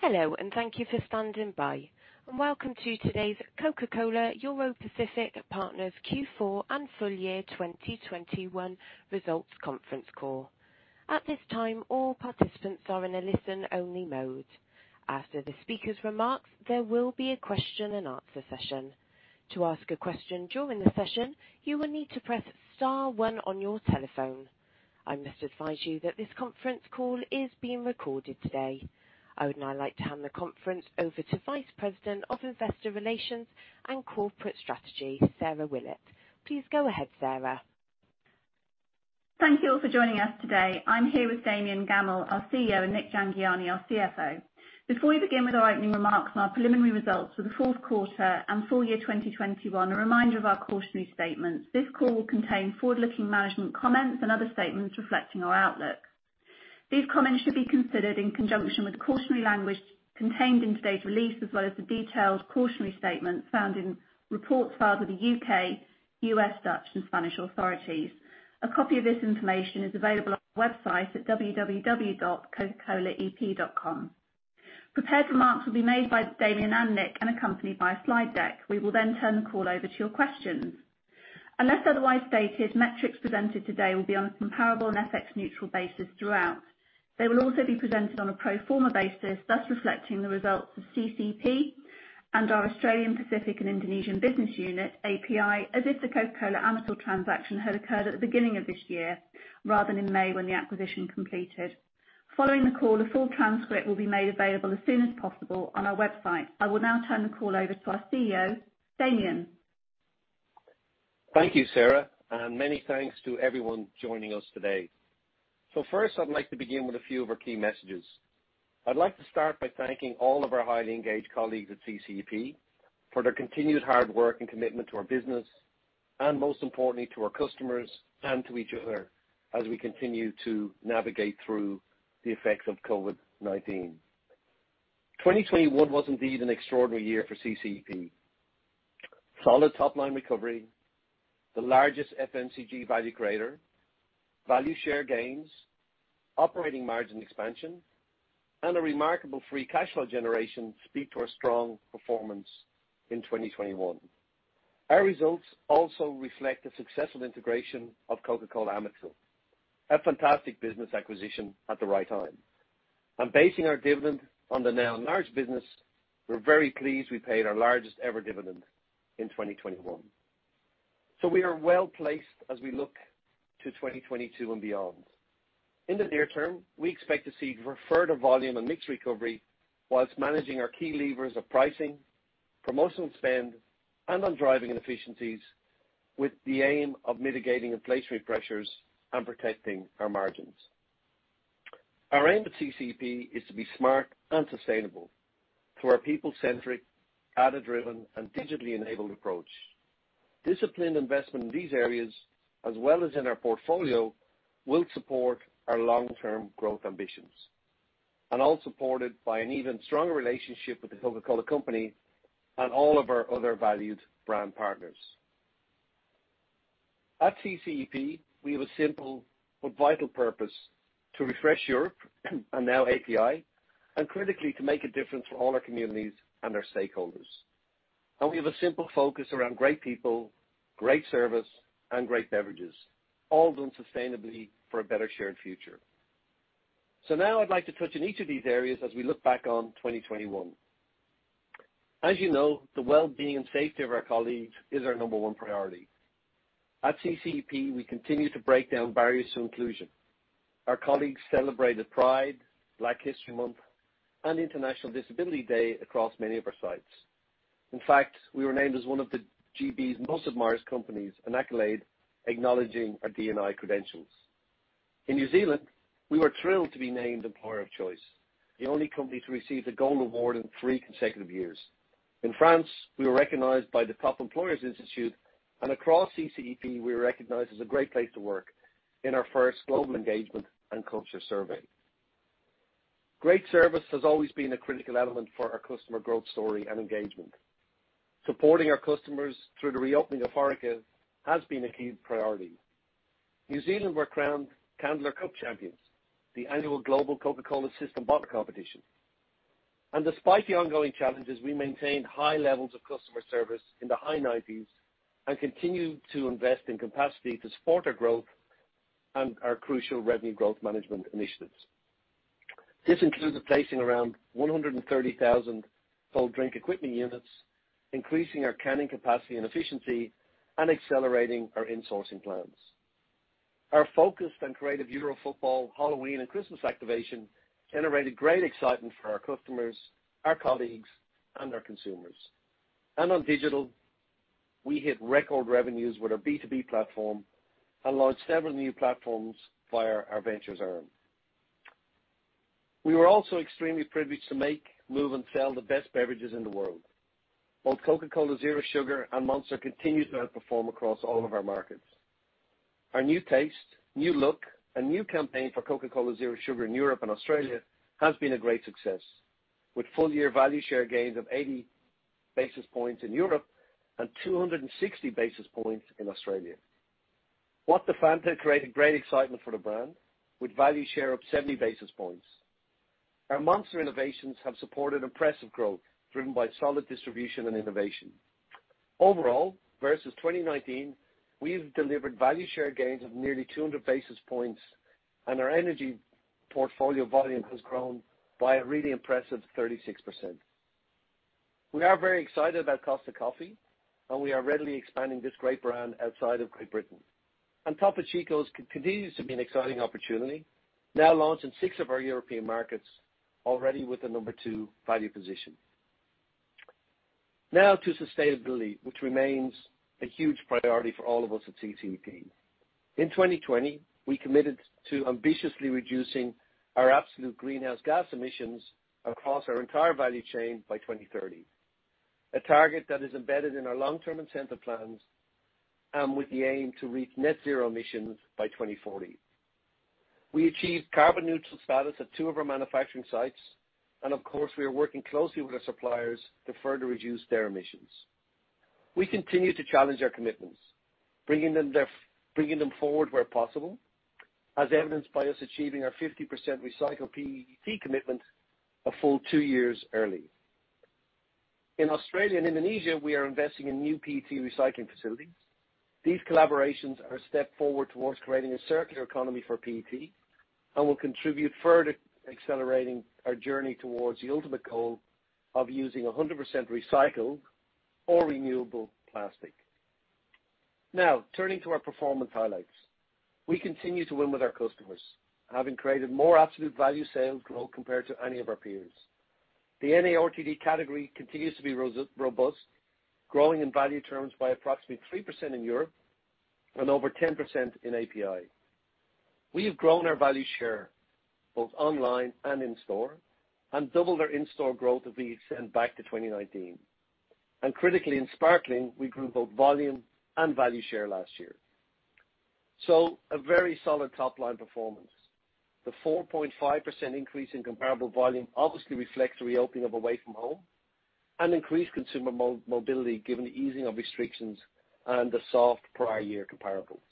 Hello, and thank you for standing by, and welcome to today's Coca-Cola Europacific Partners Q4 and full year 2021 results conference call. At this time, all participants are in a listen-only mode. After the speaker's remarks, there will be a question and answer session. To ask a question during the session, you will need to press star one on your telephone. I must advise you that this conference call is being recorded today. I would now like to hand the conference over to Vice President of Investor Relations and Corporate Strategy, Sarah Willett. Please go ahead, Sarah. Thank you all for joining us today. I'm here with Damian Gammell, our CEO, and Nik Jhangiani, our CFO. Before we begin with our opening remarks and our preliminary results for the fourth quarter and full year 2021, a reminder of our cautionary statement. This call will contain forward-looking management comments and other statements reflecting our outlook. These comments should be considered in conjunction with the cautionary language contained in today's release, as well as the detailed cautionary statement found in reports filed with the U.K., U.S., Dutch, and Spanish authorities. A copy of this information is available on our website at www.cocacolaep.com. Prepared remarks will be made by Damian and Nik and accompanied by a slide deck. We will then turn the call over to your questions. Unless otherwise stated, metrics presented today will be on a comparable and FX neutral basis throughout. They will also be presented on a pro forma basis, thus reflecting the results of CCEP and our Australian, Pacific, and Indonesian business unit, API, as if the Coca-Cola Amatil transaction had occurred at the beginning of this year rather than in May when the acquisition completed. Following the call, a full transcript will be made available as soon as possible on our website. I will now turn the call over to our CEO, Damian. Thank you, Sarah, and many thanks to everyone joining us today. So first, I'd like to begin with a few of our key messages. I'd like to start by thanking all of our highly engaged colleagues at CCEP for their continued hard work and commitment to our business, and most importantly, to our customers and to each other as we continue to navigate through the effects of COVID-19. 2021 was indeed an extraordinary year for CCEP. Solid top-line recovery, the largest FMCG value creator, value share gains, operating margin expansion, and a remarkable free cash flow generation speak to our strong performance in 2021. Our results also reflect the successful integration of Coca-Cola Amatil, a fantastic business acquisition at the right time. And basing our dividend on the now large business, we're very pleased we paid our largest ever dividend in 2021. So we are well-placed as we look to2022 and beyond. In the near term, we expect to see further volume and mix recovery whilst managing our key levers of pricing, promotional spend, and on driving efficiencies with the aim of mitigating inflationary pressures and protecting our margins. Our aim at CCEP is to be smart and sustainable through our people-centric, data-driven, and digitally enabled approach. Disciplined investment in these areas, as well as in our portfolio, will support our long-term growth ambitions, and all supported by an even stronger relationship with The Coca-Cola Company and all of our other valued brand partners. At CCEP, we have a simple but vital purpose: to refresh Europe, and now API, and critically, to make a difference for all our communities and our stakeholders. We have a simple focus around great people, great service, and great beverages, all done sustainably for a better shared future. Now I'd like to touch on each of these areas as we look back on 2021. As you know, the well-being and safety of our colleagues is our number one priority. At CCEP, we continue to break down barriers to inclusion. Our colleagues celebrated Pride, Black History Month, and International Disability Day across many of our sites. In fact, we were named as one of the GB's most admired companies, an accolade acknowledging our D&I credentials. In New Zealand, we were thrilled to be named Employer of Choice, the only company to receive the Gold Award in three consecutive years. In France, we were recognized by the Top Employers Institute, and across CCEP, we were recognized as a great place to work in our first global engagement and culture survey. Great service has always been a critical element for our customer growth story and engagement. Supporting our customers through the reopening of HoReCa has been a key priority. New Zealand were crowned Candler Cup champions, the annual Global Coca-Cola System Bottler competition, and despite the ongoing challenges, we maintained high levels of customer service in the high 90s and continued to invest in capacity to support our growth and our crucial revenue growth management initiatives. This includes placing around 130,000 cold drink equipment units, increasing our canning capacity and efficiency, and accelerating our insourcing plans. Our focused and creative Euro football, Halloween, and Christmas activation generated great excitement for our customers, our colleagues, and our consumers. And on digital, we hit record revenues with our B2B platform and launched several new platforms via our ventures arm. We were also extremely privileged to make, move, and sell the best beverages in the world. Both Coca-Cola Zero Sugar and Monster continued to outperform across all of our markets. Our new taste, new look, and new campaign for Coca-Cola Zero Sugar in Europe and Australia has been a great success, with full year value share gains of 80 basis points in Europe and 260 basis points in Australia. What The Fanta created great excitement for the brand, with value share of 70 basis points. Our Monster innovations have supported impressive growth, driven by solid distribution and innovation. Overall, versus 2019, we've delivered value share gains of nearly 200 basis points, and our energy portfolio volume has grown by a really impressive 36%. We are very excited about Costa Coffee, and we are readily expanding this great brand outside of Great Britain, and Topo Chico continues to be an exciting opportunity, now launched in six of our European markets, already with a number two value position. Now to sustainability, which remains a huge priority for all of us at CCEP. In 2020, we committed to ambitiously reducing our absolute greenhouse gas emissions across our entire value chain by 2030, a target that is embedded in our long-term incentive plans and with the aim to reach net zero emissions by 2040. We achieved carbon neutral status at two of our manufacturing sites, and of course, we are working closely with our suppliers to further reduce their emissions. We continue to challenge our commitments, bringing them forward where possible, as evidenced by us achieving our 50% recycled PET commitment a full two years early. In Australia and Indonesia, we are investing in new PET recycling facilities. These collaborations are a step forward towards creating a circular economy for PET and will contribute further accelerating our journey towards the ultimate goal of using 100% recycled or renewable plastic. Now, turning to our performance highlights. We continue to win with our customers, having created more absolute value sales growth compared to any of our peers. The NARTD category continues to be robust, growing in value terms by approximately 3% in Europe and over 10% in API. We have grown our value share, both online and in store, and doubled our in-store growth of these back to 2019. Critically, in sparkling, we grew both volume and value share last year. A very solid top line performance. The 4.5% increase in comparable volume obviously reflects the reopening of away from home and increased consumer mobility, given the easing of restrictions and the soft prior year comparables.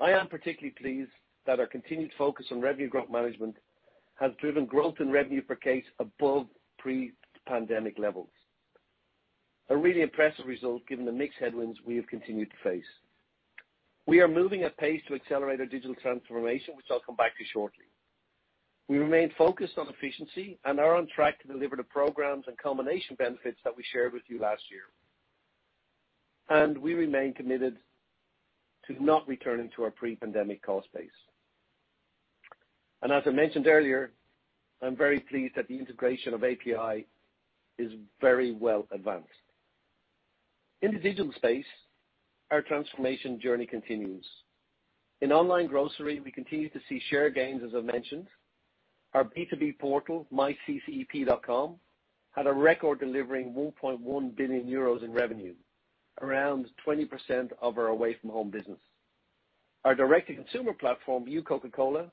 I am particularly pleased that our continued focus on revenue growth management has driven growth in revenue per case above pre-pandemic levels. A really impressive result, given the mixed headwinds we have continued to face. We are moving at pace to accelerate our digital transformation, which I'll come back to shortly. We remain focused on efficiency and are on track to deliver the programs and combination benefits that we shared with you last year. We remain committed to not returning to our pre-pandemic cost base. As I mentioned earlier, I'm very pleased that the integration of API is very well advanced. In the digital space, our transformation journey continues. In online grocery, we continue to see share gains, as I've mentioned. Our B2B portal, myccep.com, had a record delivering 1.1 billion euros in revenue, around 20% of our away from home business. Our direct-to-consumer platform, Your Coca-Cola,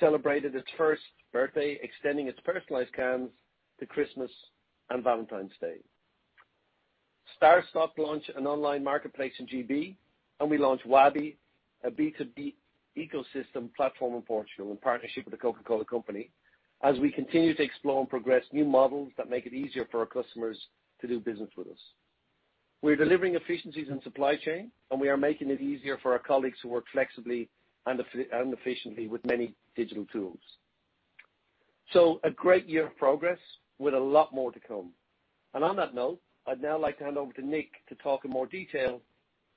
celebrated its first birthday, extending its personalized cans to Christmas and Valentine's Day. StarStock launched an online marketplace in GB, and we launched Wabi, a B2B ecosystem platform in Portugal, in partnership with the Coca-Cola Company, as we continue to explore and progress new models that make it easier for our customers to do business with us. We're delivering efficiencies in supply chain, and we are making it easier for our colleagues to work flexibly and efficiently with many digital tools. So a great year of progress with a lot more to come. And on that note, I'd now like to hand over to Nik to talk in more detail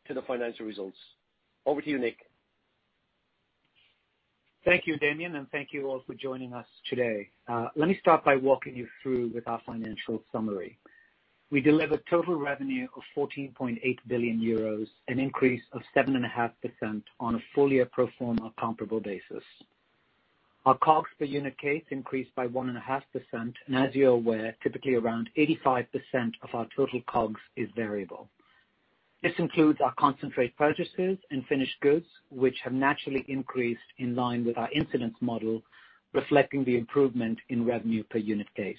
to the financial results. Over to you, Nik. Thank you, Damian, and thank you all for joining us today. Let me start by walking you through with our financial summary. We delivered total revenue of 14.8 billion euros, an increase of 7.5% on a full year pro forma comparable basis. Our COGS per unit case increased by 1.5%, and as you are aware, typically around 85% of our total COGS is variable. This includes our concentrate purchases and finished goods, which have naturally increased in line with our incidence model, reflecting the improvement in revenue per unit case.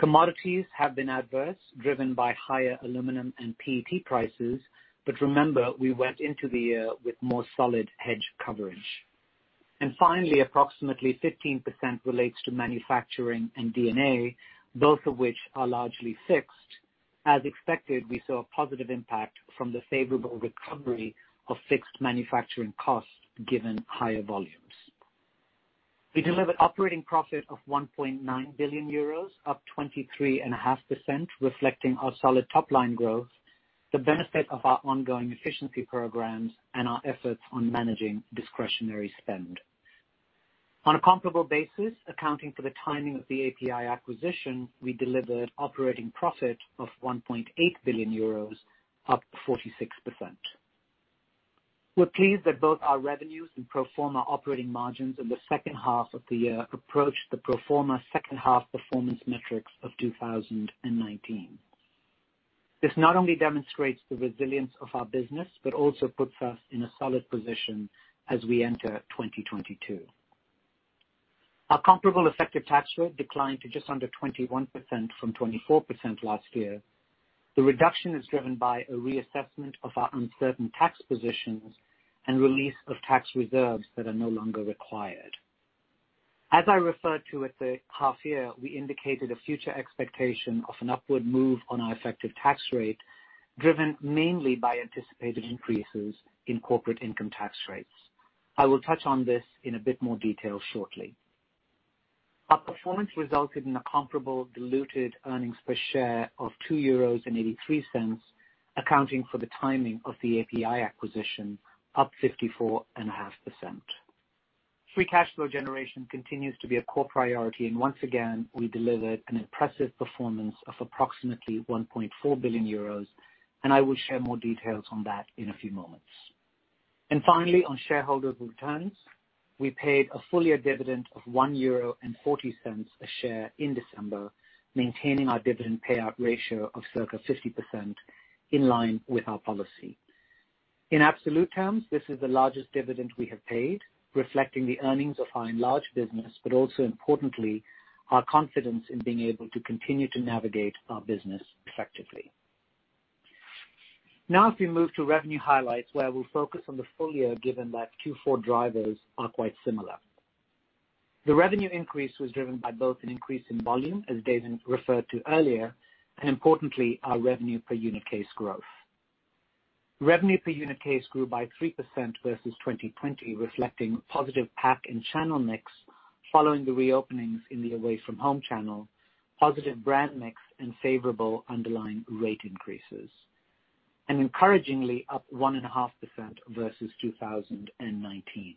Commodities have been adverse, driven by higher aluminum and PET prices, but remember, we went into the year with more solid hedge coverage. And finally, approximately 15% relates to manufacturing and D&A, both of which are largely fixed. As expected, we saw a positive impact from the favorable recovery of fixed manufacturing costs, given higher volumes. We delivered operating profit of 1.9 billion euros, up 23.5%, reflecting our solid top line growth, the benefit of our ongoing efficiency programs, and our efforts on managing discretionary spend. On a comparable basis, accounting for the timing of the API acquisition, we delivered operating profit of 1.8 billion euros, up 46%. We're pleased that both our revenues and pro forma operating margins in the second half of the year approached the pro forma second half performance metrics of 2019. This not only demonstrates the resilience of our business, but also puts us in a solid position as we enter 2022. Our comparable effective tax rate declined to just under 21% from 24% last year. The reduction is driven by a reassessment of our uncertain tax positions and release of tax reserves that are no longer required. As I referred to at the half year, we indicated a future expectation of an upward move on our effective tax rate, driven mainly by anticipated increases in corporate income tax rates. I will touch on this in a bit more detail shortly. Our performance resulted in a comparable diluted earnings per share of 2.83 euros, accounting for the timing of the API acquisition, up 54.5%. Free cash flow generation continues to be a core priority, and once again, we delivered an impressive performance of approximately 1.4 billion euros, and I will share more details on that in a few moments. Finally, on shareholder returns, we paid a full year dividend of 1.40 euro a share in December, maintaining our dividend payout ratio of circa 50% in line with our policy. In absolute terms, this is the largest dividend we have paid, reflecting the earnings of our enlarged business, but also importantly, our confidence in being able to continue to navigate our business effectively. Now, as we move to revenue highlights, where we'll focus on the full year, given that Q4 drivers are quite similar. The revenue increase was driven by both an increase in volume, as Damian referred to earlier, and importantly, our revenue per unit case growth. Revenue per unit case grew by 3% versus 2020, reflecting positive pack and channel mix following the reopenings in the away from home channel, positive brand mix and favorable underlying rate increases, and encouragingly, up 1.5% versus 2019.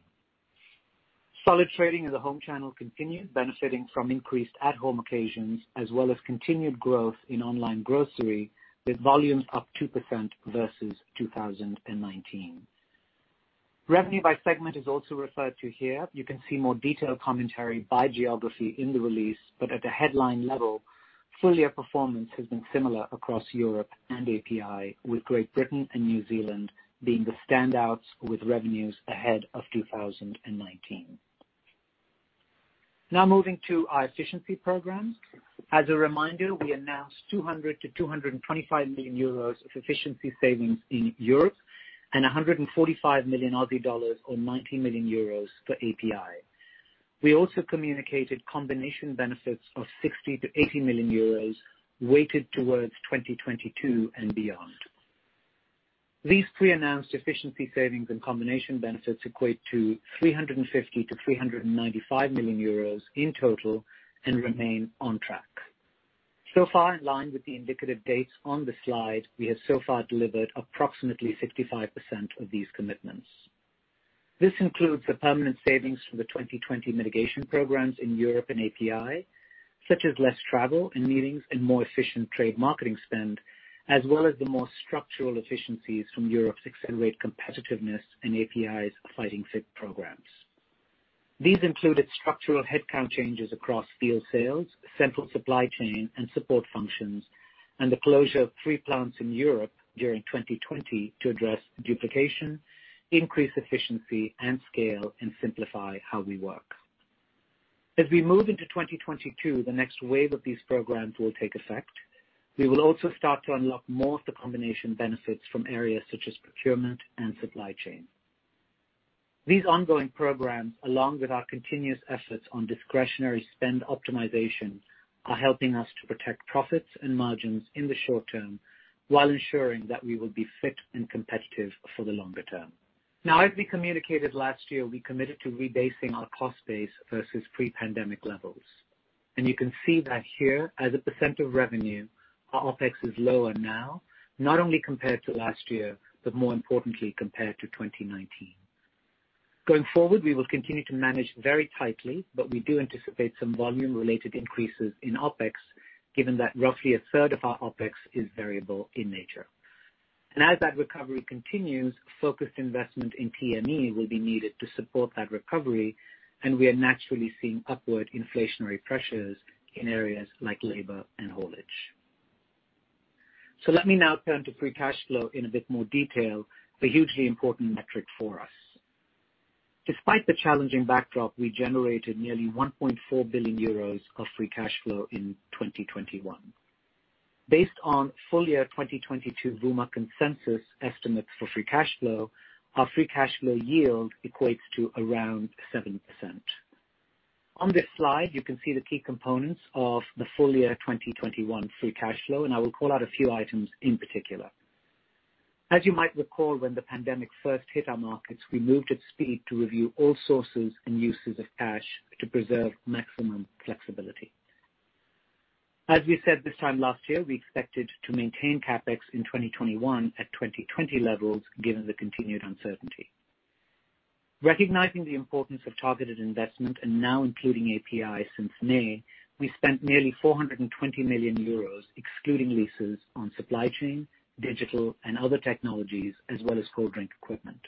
Solid trading in the home channel continued, benefiting from increased at home occasions, as well as continued growth in online grocery, with volumes up 2% versus 2019. Revenue by segment is also referred to here. You can see more detailed commentary by geography in the release, but at the headline level, full year performance has been similar across Europe and API, with Great Britain and New Zealand being the standouts with revenues ahead of 2019. Now moving to our efficiency program. As a reminder, we announced 200-225 million euros of efficiency savings in Europe and 145 million Aussie dollars, or 90 million euros for API. We also communicated combination benefits of 60-80 million euros, weighted towards 2022 and beyond. These pre-announced efficiency savings and combination benefits equate to 350-395 million euros in total and remain on track. So far, in line with the indicative dates on the slide, we have so far delivered approximately 65% of these commitments. This includes the permanent savings from the 2020 mitigation programs in Europe and API, such as less travel and meetings and more efficient trade marketing spend, as well as the more structural efficiencies from Europe's Accelerate Competitiveness and API's Fighting Fit programs. These included structural headcount changes across field sales, central supply chain and support functions, and the closure of three plants in Europe during 2020 to address duplication, increase efficiency and scale, and simplify how we work. As we move into 2022, the next wave of these programs will take effect. We will also start to unlock more of the combination benefits from areas such as procurement and supply chain. These ongoing programs, along with our continuous efforts on discretionary spend optimization, are helping us to protect profits and margins in the short term, while ensuring that we will be fit and competitive for the longer term. Now, as we communicated last year, we committed to rebasing our cost base versus pre-pandemic levels, and you can see that here, as a % of revenue, our OpEx is lower now, not only compared to last year, but more importantly, compared to 2019. Going forward, we will continue to manage very tightly, but we do anticipate some volume-related increases in OpEx, given that roughly a third of our OpEx is variable in nature, and as that recovery continues, focused investment in DME will be needed to support that recovery, and we are naturally seeing upward inflationary pressures in areas like labor and haulage, so let me now turn to free cash flow in a bit more detail, a hugely important metric for us. Despite the challenging backdrop, we generated nearly 1.4 billion euros of free cash flow in 2021. Based on full year 2022 Vuma consensus estimates for free cash flow, our free cash flow yield equates to around 7%. On this slide, you can see the key components of the full year 2021 free cash flow, and I will call out a few items in particular. As you might recall, when the pandemic first hit our markets, we moved at speed to review all sources and uses of cash to preserve maximum flexibility. As we said this time last year, we expected to maintain CapEx in 2021 at 2020 levels, given the continued uncertainty. Recognizing the importance of targeted investment and now including API since May, we spent nearly 420 million euros, excluding leases, on supply chain, digital and other technologies, as well as cold drink equipment.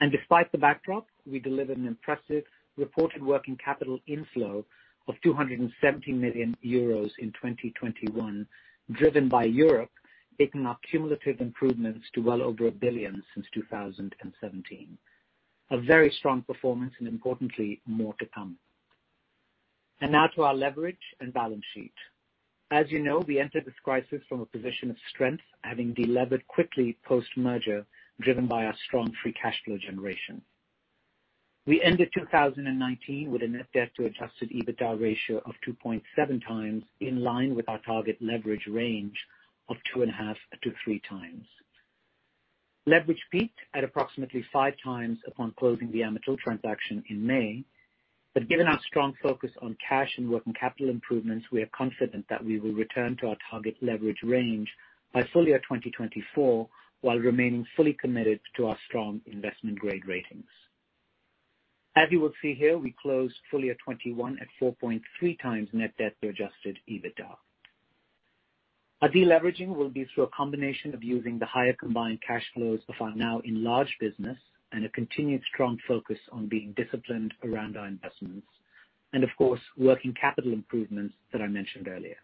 And despite the backdrop, we delivered an impressive reported working capital inflow of 270 million euros in 2021, driven by Europe, taking our cumulative improvements to well over a billion since 2017. A very strong performance and importantly, more to come. And now to our leverage and balance sheet. As you know, we entered this crisis from a position of strength, having delevered quickly post-merger, driven by our strong free cash flow generation. We ended 2019 with a net debt to adjusted EBITDA ratio of 2.7 times, in line with our target leverage range of 2.5 to 3 times. Leverage peaked at approximately five times upon closing the Amatil transaction in May, but given our strong focus on cash and working capital improvements, we are confident that we will return to our target leverage range by full year 2024, while remaining fully committed to our strong investment grade ratings. As you will see here, we closed full year 2021 at 4.3 times net debt to adjusted EBITDA. Our deleveraging will be through a combination of using the higher combined cash flows of our now enlarged business and a continued strong focus on being disciplined around our investments, and of course, working capital improvements that I mentioned earlier.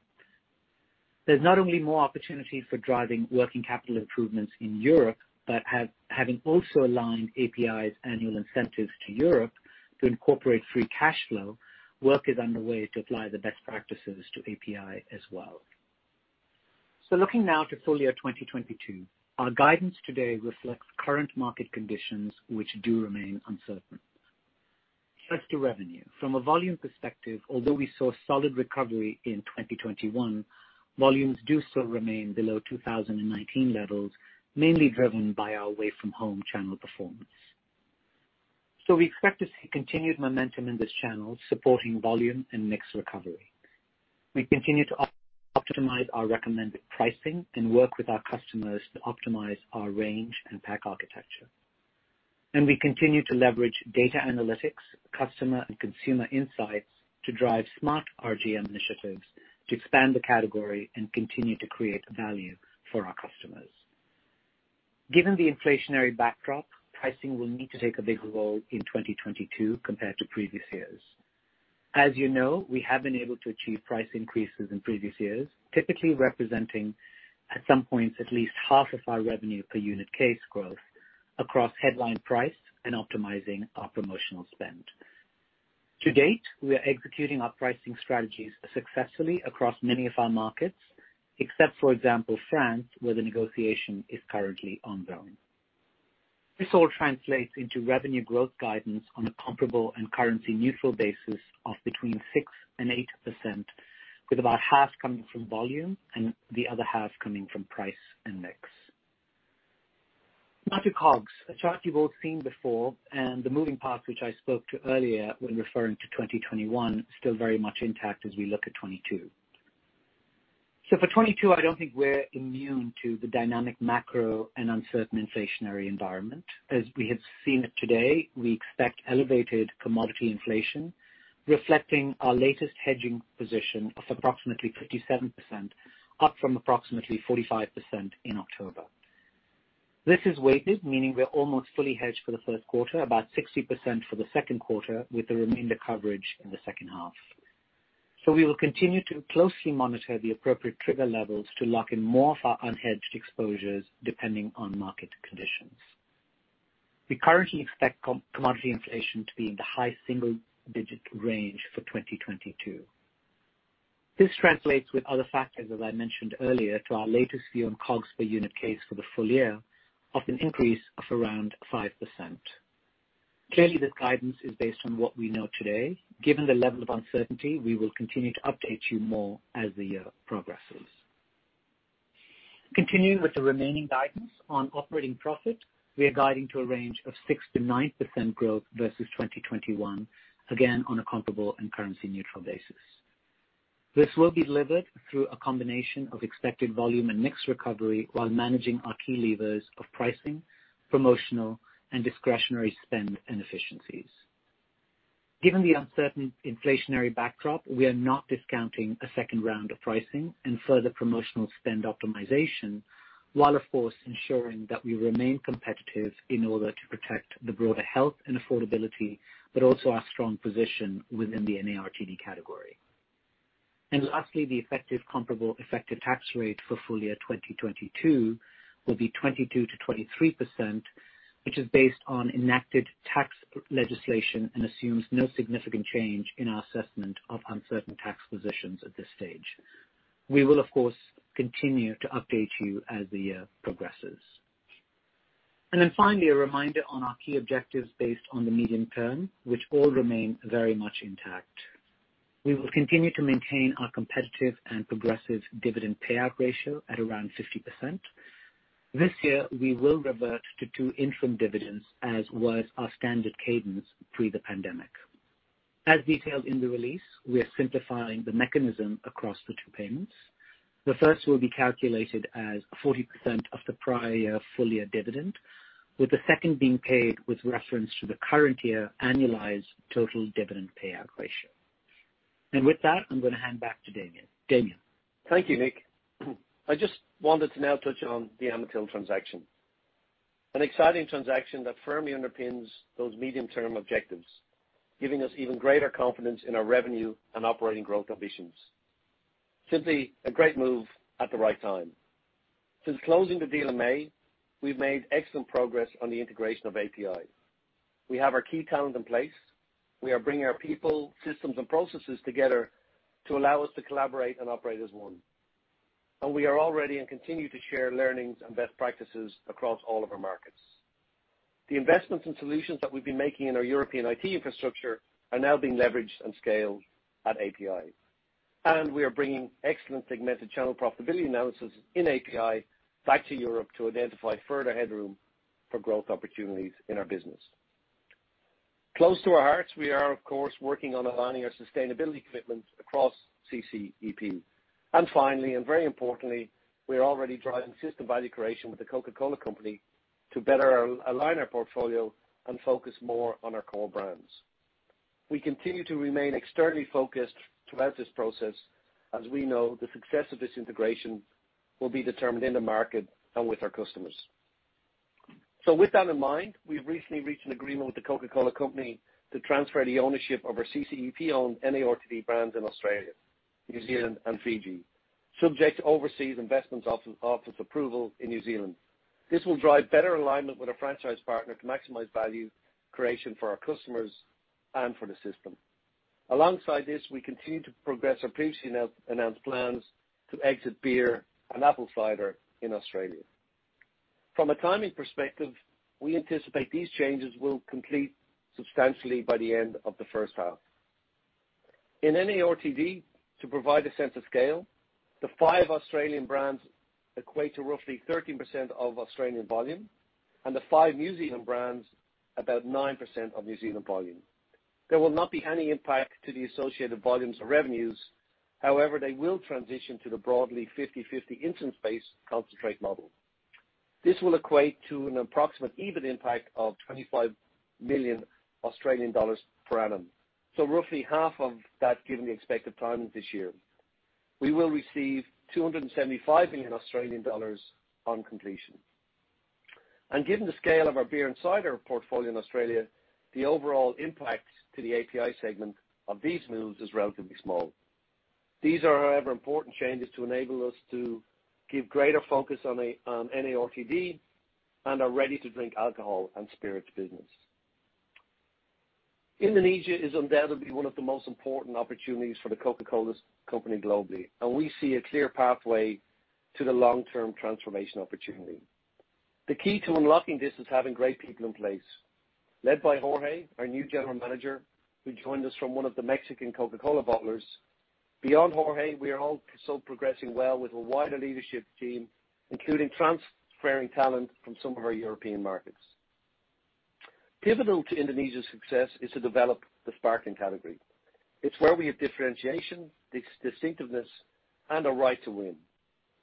There's not only more opportunity for driving working capital improvements in Europe, but having also aligned API's annual incentives to Europe to incorporate free cash flow, work is underway to apply the best practices to API as well. Looking now to full year 2022, our guidance today reflects current market conditions, which do remain uncertain. First, to revenue. From a volume perspective, although we saw solid recovery in 2021, volumes do still remain below 2019 levels, mainly driven by our away-from-home channel performance. We expect to see continued momentum in this channel, supporting volume and mix recovery. We continue to optimize our recommended pricing and work with our customers to optimize our range and pack architecture. We continue to leverage data analytics, customer, and consumer insights to drive smart RGM initiatives to expand the category and continue to create value for our customers. Given the inflationary backdrop, pricing will need to take a bigger role in 2022 compared to previous years. As you know, we have been able to achieve price increases in previous years, typically representing, at some points, at least half of our revenue per unit case growth across headline price and optimizing our promotional spend. To date, we are executing our pricing strategies successfully across many of our markets, except, for example, France, where the negotiation is currently ongoing. This all translates into revenue growth guidance on a comparable and currency-neutral basis of between 6% and 8%, with about half coming from volume and the other half coming from price and mix. Now to COGS, a chart you've all seen before, and the moving parts, which I spoke to earlier when referring to 2021, still very much intact as we look at 2022. So for 2022, I don't think we're immune to the dynamic macro and uncertain inflationary environment. As we have seen it today, we expect elevated commodity inflation, reflecting our latest hedging position of approximately 57%, up from approximately 45% in October. This is weighted, meaning we are almost fully hedged for the first quarter, about 60% for the second quarter, with the remainder coverage in the second half. So we will continue to closely monitor the appropriate trigger levels to lock in more of our unhedged exposures, depending on market conditions. We currently expect commodity inflation to be in the high single-digit range for 2022. This translates with other factors, as I mentioned earlier, to our latest view on COGS per unit case for the full year of an increase of around 5%. Clearly, this guidance is based on what we know today. Given the level of uncertainty, we will continue to update you more as the year progresses. Continuing with the remaining guidance on operating profit, we are guiding to a range of 6% to 9% growth versus 2021, again, on a comparable and currency-neutral basis. This will be delivered through a combination of expected volume and mix recovery while managing our key levers of pricing, promotional, and discretionary spend and efficiencies. Given the uncertain inflationary backdrop, we are not discounting a second round of pricing and further promotional spend optimization, while of course ensuring that we remain competitive in order to protect the broader health and affordability, but also our strong position within the NARTD category. And lastly, the effective comparable effective tax rate for full year 2022 will be 22% to 23%, which is based on enacted tax legislation and assumes no significant change in our assessment of uncertain tax positions at this stage. We will, of course, continue to update you as the year progresses. And then finally, a reminder on our key objectives based on the medium term, which all remain very much intact. We will continue to maintain our competitive and progressive dividend payout ratio at around 50%. This year, we will revert to two interim dividends, as was our standard cadence pre the pandemic. As detailed in the release, we are simplifying the mechanism across the two payments. The first will be calculated as 40% of the prior full year dividend, with the second being paid with reference to the current year annualized total dividend payout ratio. And with that, I'm going to hand back to Damian. Damian? Thank you, Nik. I just wanted to now touch on the Amatil transaction, an exciting transaction that firmly underpins those medium-term objectives, giving us even greater confidence in our revenue and operating growth ambitions. Simply a great move at the right time. Since closing the deal in May, we've made excellent progress on the integration of API. We have our key talent in place. We are bringing our people, systems, and processes together to allow us to collaborate and operate as one. And we are already and continue to share learnings and best practices across all of our markets. The investments and solutions that we've been making in our European IT infrastructure are now being leveraged and scaled at API. And we are bringing excellent segmented channel profitability analysis in API back to Europe to identify further headroom for growth opportunities in our business. Close to our hearts, we are, of course, working on aligning our sustainability commitments across CCEP. And finally, and very importantly, we are already driving system value creation with The Coca-Cola Company to better align our portfolio and focus more on our core brands. We continue to remain externally focused throughout this process, as we know the success of this integration will be determined in the market and with our customers. So with that in mind, we've recently reached an agreement with The Coca-Cola Company to transfer the ownership of our CCEP-owned NARTD brands in Australia, New Zealand, and Fiji, subject to Overseas Investment Office approval in New Zealand. This will drive better alignment with our franchise partner to maximize value creation for our customers and for the system. Alongside this, we continue to progress our previously announced plans to exit beer and apple cider in Australia. From a timing perspective, we anticipate these changes will complete substantially by the end of the first half. In NARTD, to provide a sense of scale, the five Australian brands equate to roughly 13% of Australian volume, and the five New Zealand brands, about 9% of New Zealand volume. There will not be any impact to the associated volumes or revenues. However, they will transition to the broadly fifty-fifty instance-based concentrate model. This will equate to an approximate EBIT impact of 25 million Australian dollars per annum, so roughly half of that, given the expected timing this year. We will receive 275 million Australian dollars on completion. Given the scale of our beer and cider portfolio in Australia, the overall impact to the API segment of these moves is relatively small. These are, however, important changes to enable us to give greater focus on NARTD and our ready-to-drink alcohol and spirits business. Indonesia is undoubtedly one of the most important opportunities for The Coca-Cola Company globally, and we see a clear pathway to the long-term transformation opportunity. The key to unlocking this is having great people in place, led by Jorge, our new general manager, who joined us from one of the Mexican Coca-Cola bottlers. Beyond Jorge, we are also progressing well with a wider leadership team, including transferring talent from some of our European markets. Pivotal to Indonesia's success is to develop the sparkling category. It's where we have differentiation, distinctiveness, and a right to win.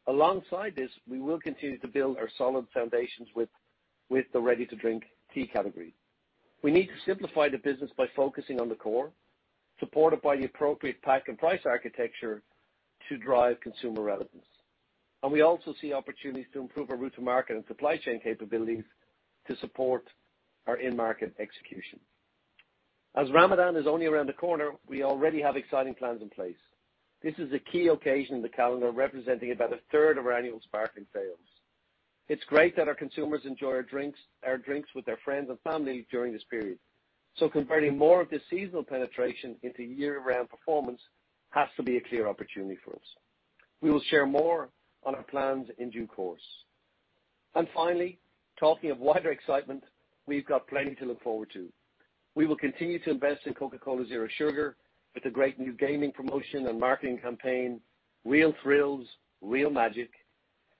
Alongside this, we will continue to build our solid foundations with the ready-to-drink tea category. We need to simplify the business by focusing on the core, supported by the appropriate pack and price architecture to drive consumer relevance. And we also see opportunities to improve our route to market and supply chain capabilities to support our in-market execution. As Ramadan is only around the corner, we already have exciting plans in place. This is a key occasion in the calendar, representing about a third of our annual sparkling sales. It's great that our consumers enjoy our drinks with their friends and family during this period, so converting more of this seasonal penetration into year-round performance has to be a clear opportunity for us. We will share more on our plans in due course. And finally, talking of wider excitement, we've got plenty to look forward to. We will continue to invest in Coca-Cola Zero Sugar with a great new gaming promotion and marketing campaign, Real Thrills, Real Magic.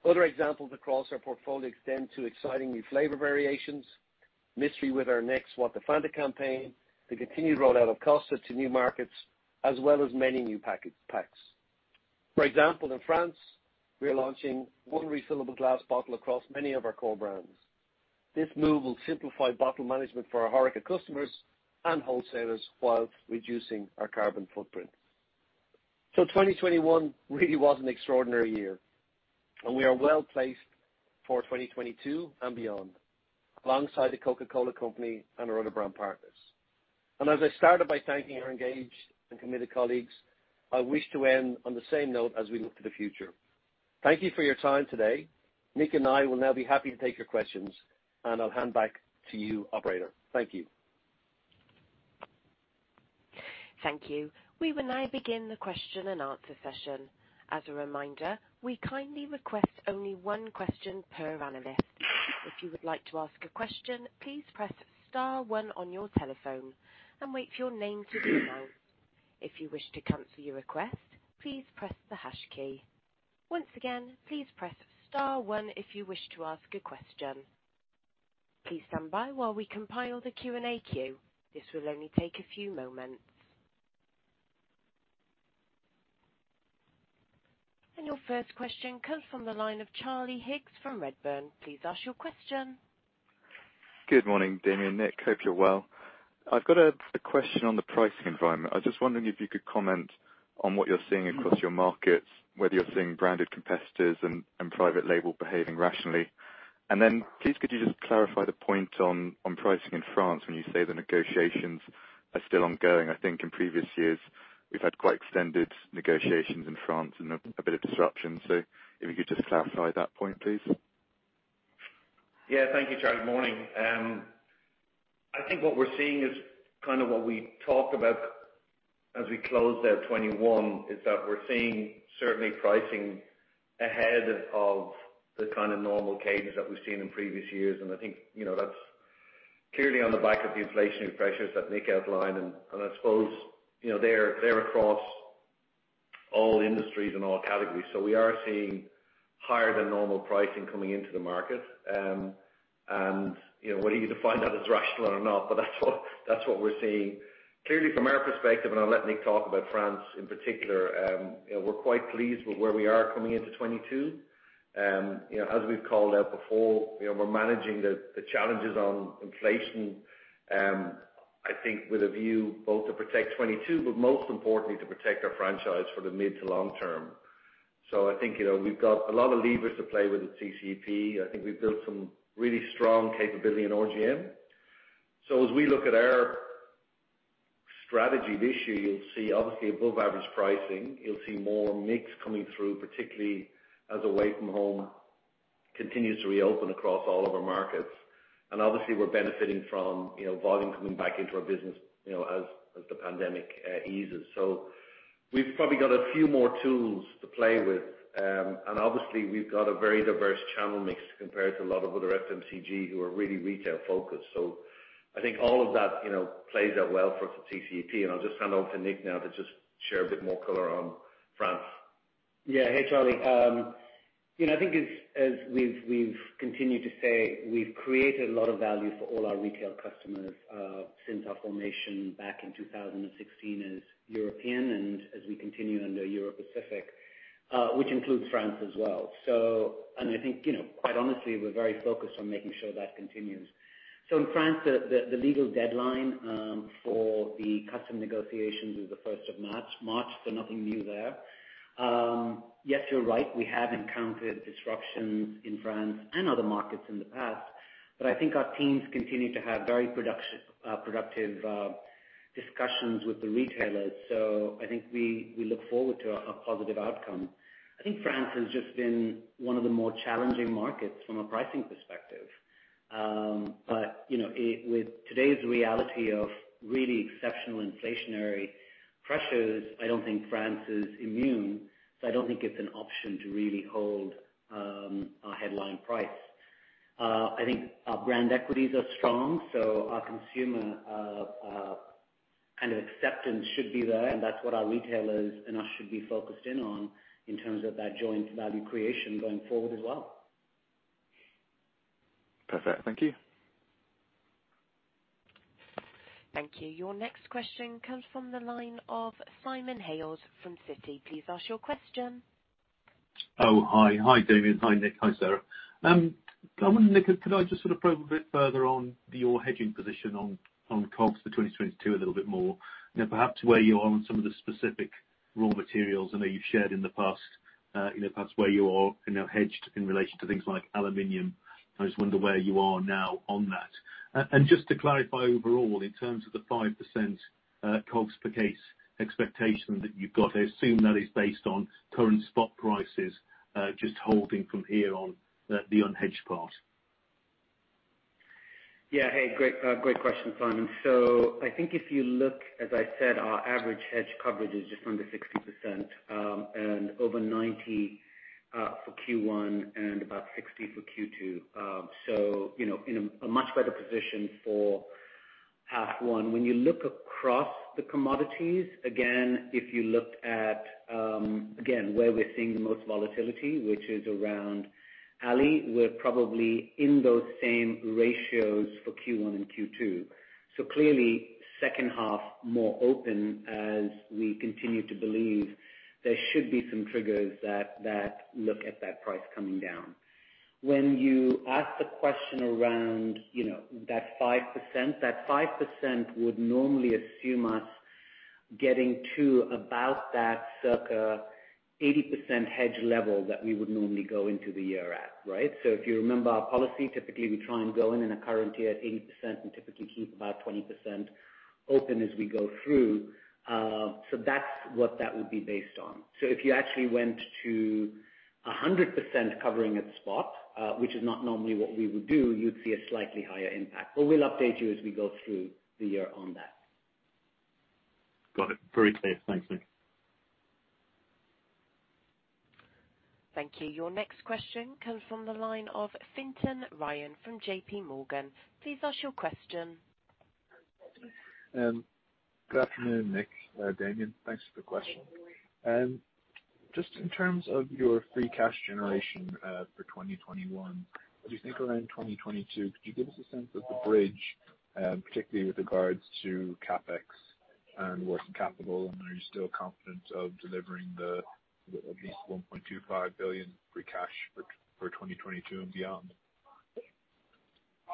Other examples across our portfolio extend to exciting new flavor variations, mystery with our next What The Fanta campaign, the continued rollout of Costa to new markets, as well as many new packs. For example, in France, we are launching one refillable glass bottle across many of our core brands. This move will simplify bottle management for our HoReCa customers and wholesalers while reducing our carbon footprint. So 2021 really was an extraordinary year, and we are well placed for 2022 and beyond, alongside The Coca-Cola Company and our other brand partners. And as I started by thanking our engaged and committed colleagues, I wish to end on the same note as we look to the future. Thank you for your time today. Nik and I will now be happy to take your questions, and I'll hand back to you, operator. Thank you. Thank you. We will now begin the question and answer session. As a reminder, we kindly request only one question per analyst. If you would like to ask a question, please press star one on your telephone and wait for your name to be announced. If you wish to cancel your request, please press the hash key. Once again, please press star one if you wish to ask a question. Please stand by while we compile the Q&A queue. This will only take a few moments. Your first question comes from the line of Charlie Higgs from Redburn. Please ask your question. Good morning, Damian, Nik. Hope you're well. I've got a question on the pricing environment. I was just wondering if you could comment on what you're seeing across your markets, whether you're seeing branded competitors and private label behaving rationally? Then please, could you just clarify the point on pricing in France when you say the negotiations are still ongoing? I think in previous years, we've had quite extended negotiations in France and a bit of disruption. So if you could just clarify that point, please. Yeah, thank you, Charlie. Morning. I think what we're seeing is kind of what we talked about as we closed out 2021, is that we're seeing certainly pricing ahead of the kind of normal cadence that we've seen in previous years. And I think, you know, that's clearly on the back of the inflationary pressures that Nik outlined, and I suppose, you know, they're across all industries and all categories. So we are seeing higher than normal pricing coming into the market. And, you know, whether you define that as rational or not, but that's what we're seeing. Clearly, from our perspective, and I'll let Nik talk about France in particular, you know, we're quite pleased with where we are coming into 2022. You know, as we've called out before, you know, we're managing the challenges on inflation, I think with a view both to protect 2022, but most importantly, to protect our franchise for the mid to long term, so I think, you know, we've got a lot of levers to play with at CCEP. I think we've built some really strong capability in RGM, so as we look at our strategy this year, you'll see obviously above average pricing, you'll see more mix coming through, particularly as away from home continues to reopen across all of our markets. And obviously, we're benefiting from, you know, volume coming back into our business, you know, as the pandemic eases, so we've probably got a few more tools to play with. And obviously, we've got a very diverse channel mix compared to a lot of other FMCG who are really retail focused. So I think all of that, you know, plays out well for CCEP, and I'll just hand over to Nik now to just share a bit more color on France. Yeah. Hey, Charlie. You know, I think as we've continued to say, we've created a lot of value for all our retail customers since our formation back in two thousand and sixteen as European, and as we continue under Europacific, which includes France as well. So and I think, you know, quite honestly, we're very focused on making sure that continues. So in France, the legal deadline for the customer negotiations is the first of March, so nothing new there. Yes, you're right, we have encountered disruptions in France and other markets in the past, but I think our teams continue to have very productive discussions with the retailers. So I think we look forward to a positive outcome. I think France has just been one of the more challenging markets from a pricing perspective. But, you know, with today's reality of really exceptional inflationary pressures, I don't think France is immune, so I don't think it's an option to really hold a headline price. I think our brand equities are strong, so our consumer kind of acceptance should be there, and that's what our retailers and us should be focused in on in terms of that joint value creation going forward as well. Perfect. Thank you. Thank you. Your next question comes from the line of Simon Hales from Citi. Please ask your question. Oh, hi. Hi, Damian. Hi, Nik. Hi, Sarah. I wonder, Nik, could I just sort of probe a bit further on your hedging position on, on COGS for 2022 a little bit more? You know, perhaps where you are on some of the specific raw materials. I know you've shared in the past, you know, perhaps where you are, you know, hedged in relation to things like aluminum. I just wonder where you are now on that. And just to clarify, overall, in terms of the 5%, COGS per case expectation that you've got, I assume that is based on current spot prices, just holding from here on, the unhedged part. Yeah, hey, great, great question, Simon. So I think if you look, as I said, our average hedge coverage is just under 60%, and over 90% for Q1 and about 60% for Q2. So, you know, in a much better position for half one. When you look across the commodities, again, if you looked at, again, where we're seeing the most volatility, which is around aluminum, we're probably in those same ratios for Q1 and Q2. So clearly, second half, more open as we continue to believe there should be some triggers that look at that price coming down. When you ask the question around, you know, that 5%, that 5% would normally assume us getting to about that circa 80% hedge level that we would normally go into the year at, right? So if you remember our policy, typically, we try and go in a current year at 80% and typically keep about 20% open as we go through. So that's what that would be based on. So if you actually went to a 100% covering at spot, which is not normally what we would do, you'd see a slightly higher impact. But we'll update you as we go through the year on that. Got it. Very clear. Thanks, Nik. Thank you. Your next question comes from the line of Fintan Ryan from JPMorgan. Please ask your question. Good afternoon, Nik, Damian. Thanks for the question. Just in terms of your free cash generation for 2021, as you think around 2022, could you give us a sense of the bridge, particularly with regards to CapEx and working capital? And are you still confident of delivering at least €1.25 billion free cash for 2022 and beyond? Yeah,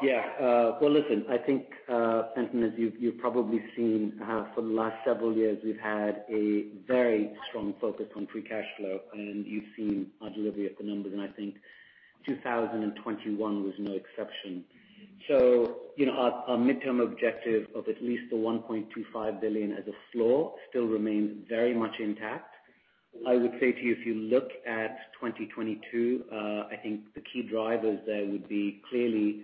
well, listen, I think, Fintan, as you've probably seen, for the last several years, we've had a very strong focus on free cash flow, and you've seen our delivery of the numbers, and I think 2021 was no exception. So, you know, our midterm objective of at least 1.25 billion as a floor still remains very much intact. I would say to you, if you look at 2022, I think the key drivers there would be clearly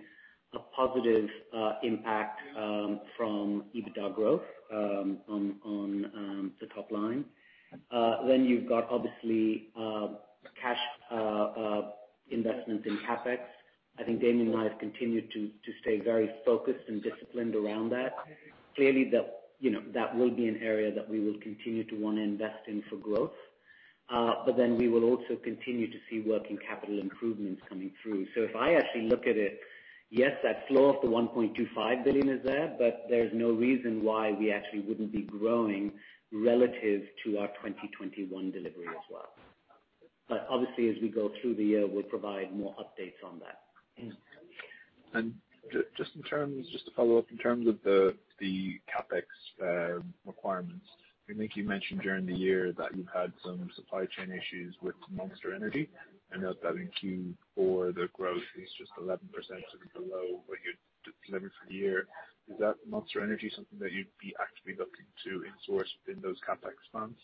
a positive impact from EBITDA growth on the top line. Then you've got obviously cash investments in CapEx. I think Damian and I have continued to stay very focused and disciplined around that. Clearly, you know, that will be an area that we will continue to want to invest in for growth. But then we will also continue to see working capital improvements coming through. So if I actually look at it, yes, that flow of the 1.25 billion is there, but there's no reason why we actually wouldn't be growing relative to our 2021 delivery as well. But obviously, as we go through the year, we'll provide more updates on that. Just to follow up, in terms of the CapEx requirements, I think you mentioned during the year that you've had some supply chain issues with Monster Energy, and that in Q4, the growth is just 11%, sort of below what you delivered for the year. Is that Monster Energy something that you'd be actually looking to insource within those CapEx funds?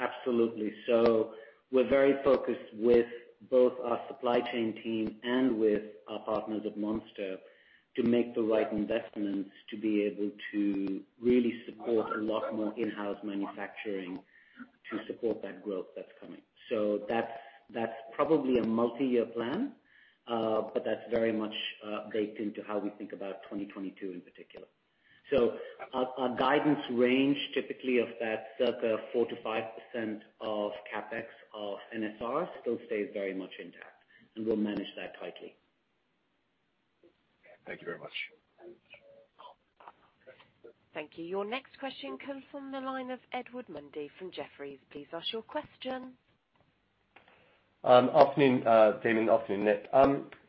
Absolutely. So we're very focused with both our supply chain team and with our partners at Monster to make the right investments to be able to really support a lot more in-house manufacturing to support that growth that's coming. So that's, that's probably a multi-year plan, but that's very much baked into how we think about 2022 in particular. So our, our guidance range, typically of that circa 4% to 5% of CapEx of NSR, still stays very much intact, and we'll manage that tightly. Thank you very much. Thank you. Your next question comes from the line of Edward Mundy from Jefferies. Please ask your question. Afternoon, Damian. Afternoon, Nik.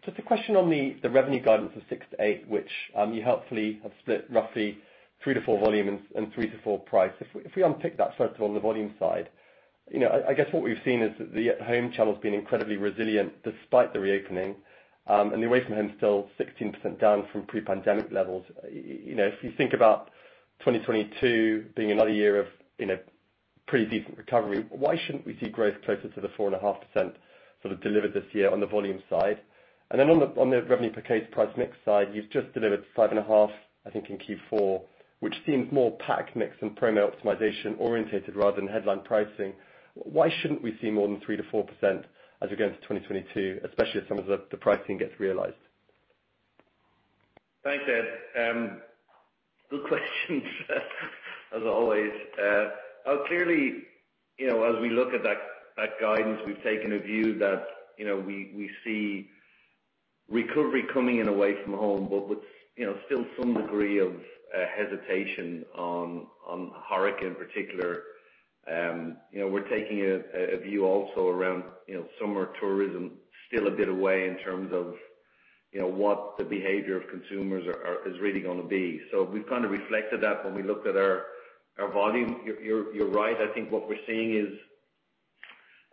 Just a question on the revenue guidance of 6 to 8, which you helpfully have split roughly 3 to 4 volume and 3 to 4 price. If we unpick that, first of all, on the volume side, you know, I guess what we've seen is that the at-home channel's been incredibly resilient despite the reopening, and the away-from-home still 16% down from pre-pandemic levels. You know, if you think about 2022 being another year of, you know, pretty decent recovery, why shouldn't we see growth closer to the 4.5% sort of delivered this year on the volume side? And then on the, on the revenue per case price mix side, you've just delivered five and a half, I think, in Q4, which seems more pack mix and promo optimization orientated rather than headline pricing. Why shouldn't we see more than 3% to 4% as we go into 2022, especially as some of the, the pricing gets realized? Thanks, Ed. Good questions, as always. Clearly, you know, as we look at that guidance, we've taken a view that, you know, we see recovery coming in away from home, but with, you know, still some degree of hesitation on HoReCa in particular. You know, we're taking a view also around, you know, summer tourism still a bit away in terms of, you know, what the behavior of consumers is really gonna be. So we've kind of reflected that when we looked at our volume. You're right. I think what we're seeing is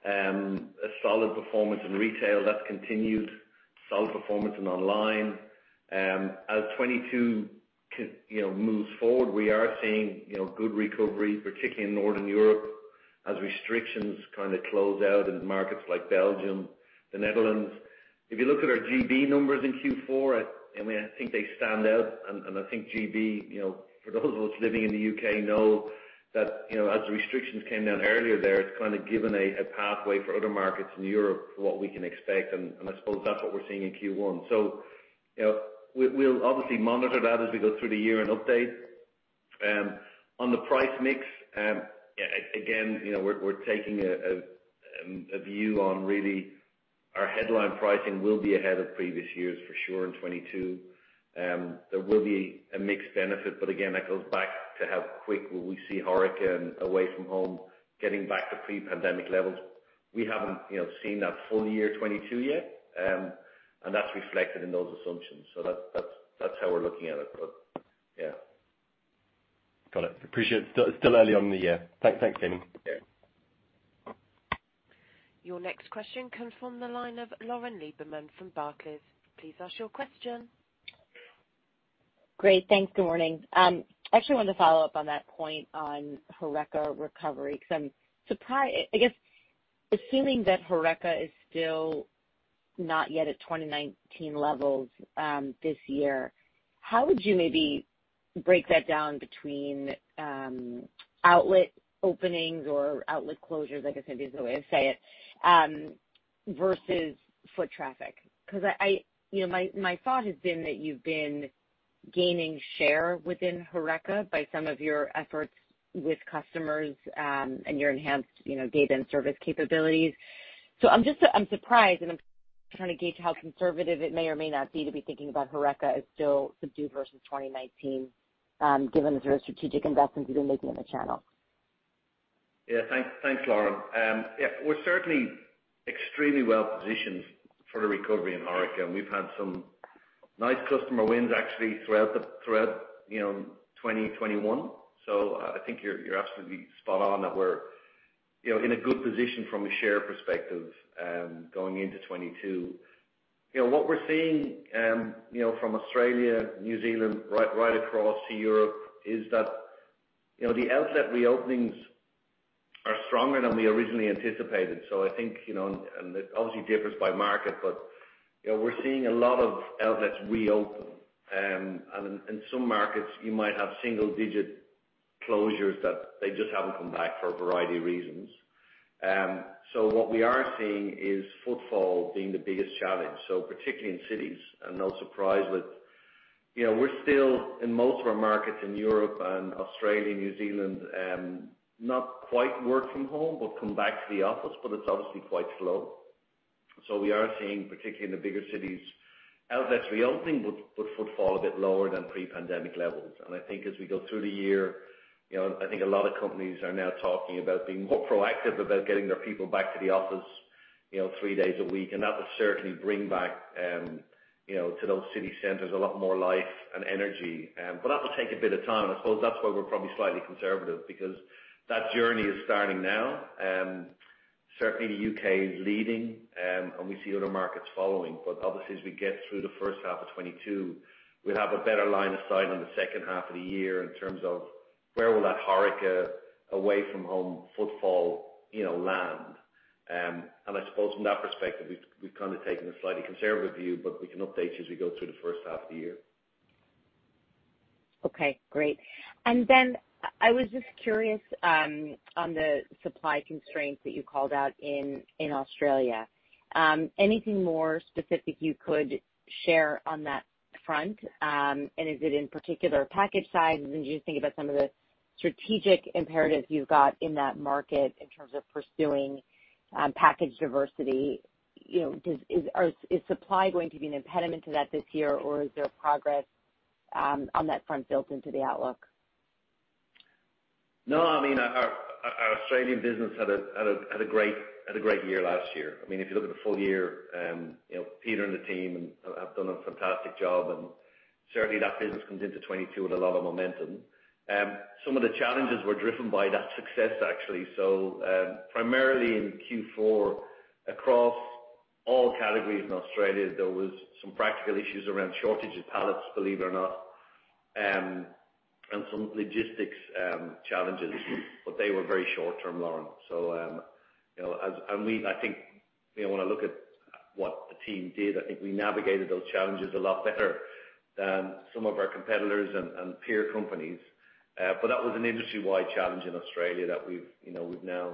a solid performance in retail, that's continued. Solid performance in online. As 2022 moves forward, we are seeing good recovery, particularly in Northern Europe, as restrictions kind of close out in markets like Belgium, the Netherlands. If you look at our GB numbers in Q4, I mean, I think they stand out, and I think GB, you know, for those of us living in the UK know that, you know, as the restrictions came down earlier there, it's kind of given a pathway for other markets in Europe for what we can expect, and I suppose that's what we're seeing in Q1. So, you know, we'll obviously monitor that as we go through the year and update. On the price mix, again, you know, we're taking a view on really our headline pricing will be ahead of previous years for sure in 2022. There will be a mixed benefit, but again, that goes back to how quick will we see HoReCa and away from home getting back to pre-pandemic levels. We haven't, you know, seen that full year 2022 yet, and that's reflected in those assumptions. So that's how we're looking at it. But yeah. Got it. Appreciate it. Still early in the year. Thanks. Thanks, Damian. Yeah. Your next question comes from the line of Lauren Lieberman from Barclays. Please ask your question. Great, thanks. Good morning. I actually wanted to follow up on that point on HoReCa recovery, because I'm surprised. I guess, assuming that HoReCa is still not yet at 2019 levels, this year, how would you maybe break that down between outlet openings or outlet closures, I guess, maybe is the way to say it, versus foot traffic? Because I, you know, my thought has been that you've been gaining share within HoReCa by some of your efforts with customers, and your enhanced, you know, data and service capabilities. So I'm just surprised, and I'm trying to gauge how conservative it may or may not be to be thinking about HoReCa as still subdued versus 2019, given the sort of strategic investments you've been making in the channel. Yeah, thanks, thanks, Lauren. Yeah, we're certainly extremely well positioned for the recovery in HoReCa, and we've had some nice customer wins actually throughout 2021. So I think you're absolutely spot on that we're, you know, in a good position from a share perspective, going into 2022. You know, what we're seeing, you know, from Australia, New Zealand, right, right across to Europe, is that, you know, the outlet reopenings are stronger than we originally anticipated. So I think, you know, and it obviously differs by market, but, you know, we're seeing a lot of outlets reopen. In some markets, you might have single-digit closures that they just haven't come back for a variety of reasons. So what we are seeing is footfall being the biggest challenge, so particularly in cities, and no surprise that, you know, we're still in most of our markets in Europe and Australia, New Zealand, not quite work from home, but come back to the office, but it's obviously quite slow. So we are seeing, particularly in the bigger cities, outlets reopening, but footfall a bit lower than pre-pandemic levels. And I think as we go through the year, you know, I think a lot of companies are now talking about being more proactive about getting their people back to the office, you know, three days a week, and that will certainly bring back, you know, to those city centers, a lot more life and energy. But that will take a bit of time, and I suppose that's why we're probably slightly conservative, because that journey is starting now. Certainly the UK is leading, and we see other markets following, but obviously, as we get through the first half of 2022, we'll have a better line of sight on the second half of the year in terms of where will that HoReCa away from home footfall, you know, land, and I suppose from that perspective, we've kind of taken a slightly conservative view, but we can update you as we go through the first half of the year. Okay, great. And then I was just curious on the supply constraints that you called out in Australia. Anything more specific you could share on that front? And is it in particular package size? As you think about some of the strategic imperatives you've got in that market in terms of pursuing package diversity, you know, is supply going to be an impediment to that this year, or is there progress on that front built into the outlook? No, I mean, our Australian business had a great year last year. I mean, if you look at the full year, you know, Peter and the team have done a fantastic job, and certainly that business comes into 2022 with a lot of momentum. Some of the challenges were driven by that success, actually. So, primarily in Q4, across all categories in Australia, there was some practical issues around shortage of pallets, believe it or not, and some logistics challenges, but they were very short-term, Lauren. So, you know, and we, I think, you know, when I look at what the team did, I think we navigated those challenges a lot better than some of our competitors and peer companies. But that was an industry-wide challenge in Australia that we've, you know, now,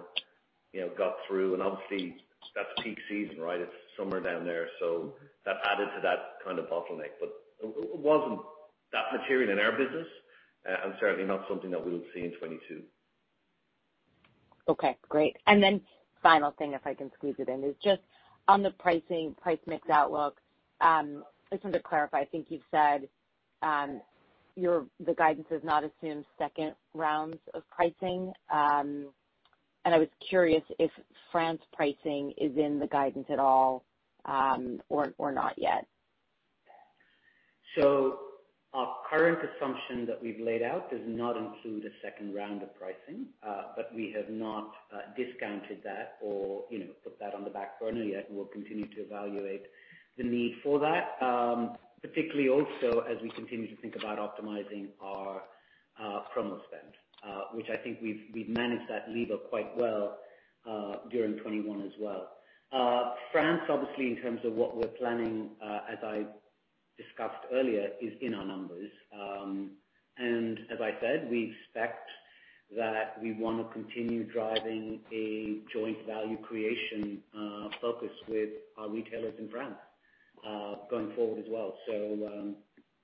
you know, got through. And obviously, that's peak season, right? It's summer down there, so that added to that kind of bottleneck. But it wasn't that material in our business, and certainly not something that we would see in 2022. Okay, great. And then final thing, if I can squeeze it in, is just on the pricing, price mix outlook. I just want to clarify. I think you've said your the guidance does not assume second rounds of pricing. And I was curious if France pricing is in the guidance at all, or not yet. Our current assumption that we've laid out does not include a second round of pricing, but we have not discounted that or, you know, put that on the back burner yet. We'll continue to evaluate the need for that, particularly also as we continue to think about optimizing our promo spend, which I think we've managed that lever quite well, during 2021 as well. France, obviously, in terms of what we're planning, as I discussed earlier, is in our numbers, and as I said, we expect that we want to continue driving a joint value creation focus with our retailers in France, going forward as well.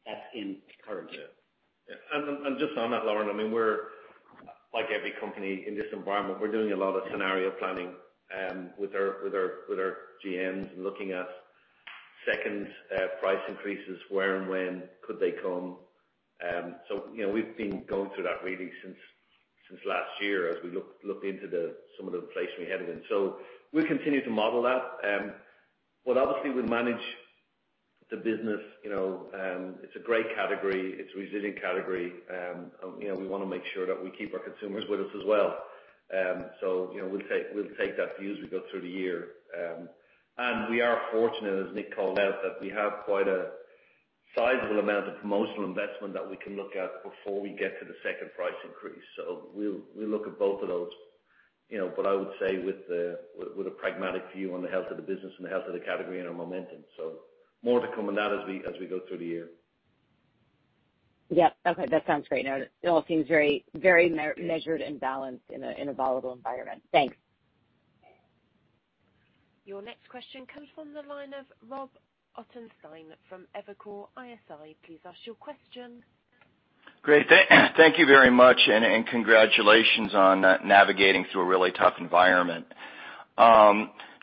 That's encouraged. Yeah. And just on that, Lauren, I mean, we're like every company in this environment, we're doing a lot of scenario planning with our GMs and looking at second price increases, where and when could they come? So, you know, we've been going through that really since last year as we looked into some of the inflation we had then. So we'll continue to model that. But obviously we manage the business, you know, it's a great category, it's a resilient category. You know, we want to make sure that we keep our consumers with us as well. So, you know, we'll take that view as we go through the year. And we are fortunate, as Nik called out, that we have quite a sizable amount of promotional investment that we can look at before we get to the second price increase. So we'll look at both of those, you know, but I would say with a pragmatic view on the health of the business and the health of the category and our momentum. So more to come on that as we go through the year. Yeah. Okay, that sounds great. No, it all seems very, very measured and balanced in a, in a volatile environment. Thanks. Your next question comes from the line of Rob Ottenstein from Evercore ISI. Please ask your question. Great, thank you very much, and congratulations on navigating through a really tough environment.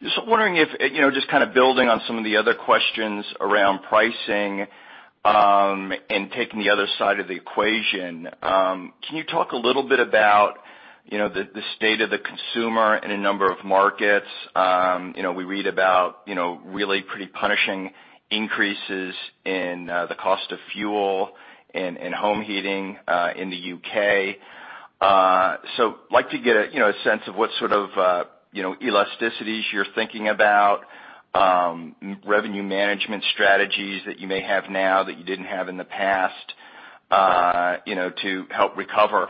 Just wondering if, you know, just kind of building on some of the other questions around pricing, and taking the other side of the equation. Can you talk a little bit about, you know, the state of the consumer in a number of markets? You know, we read about, you know, really pretty punishing increases in the cost of fuel and home heating in the UK. So like to get a, you know, a sense of what sort of, you know, elasticities you're thinking about, revenue management strategies that you may have now that you didn't have in the past, you know, to help recover,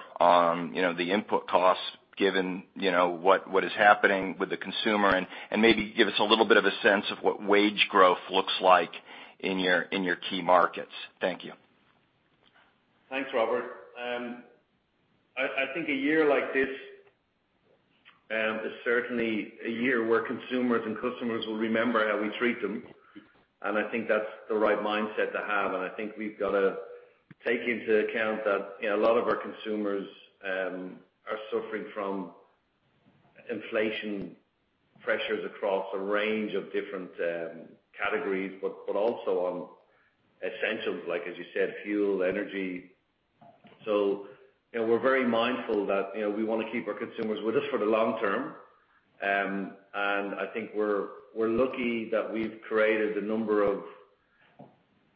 you know, the input costs given, you know, what is happening with the consumer. Maybe give us a little bit of a sense of what wage growth looks like in your key markets? Thank you. Thanks, Robert. I think a year like this is certainly a year where consumers and customers will remember how we treat them, and I think that's the right mindset to have. I think we've got to take into account that, you know, a lot of our consumers are suffering from inflation pressures across a range of different categories, but also on essentials, like, as you said, fuel, energy. So, you know, we're very mindful that, you know, we want to keep our consumers with us for the long term. I think we're lucky that we've created a number of,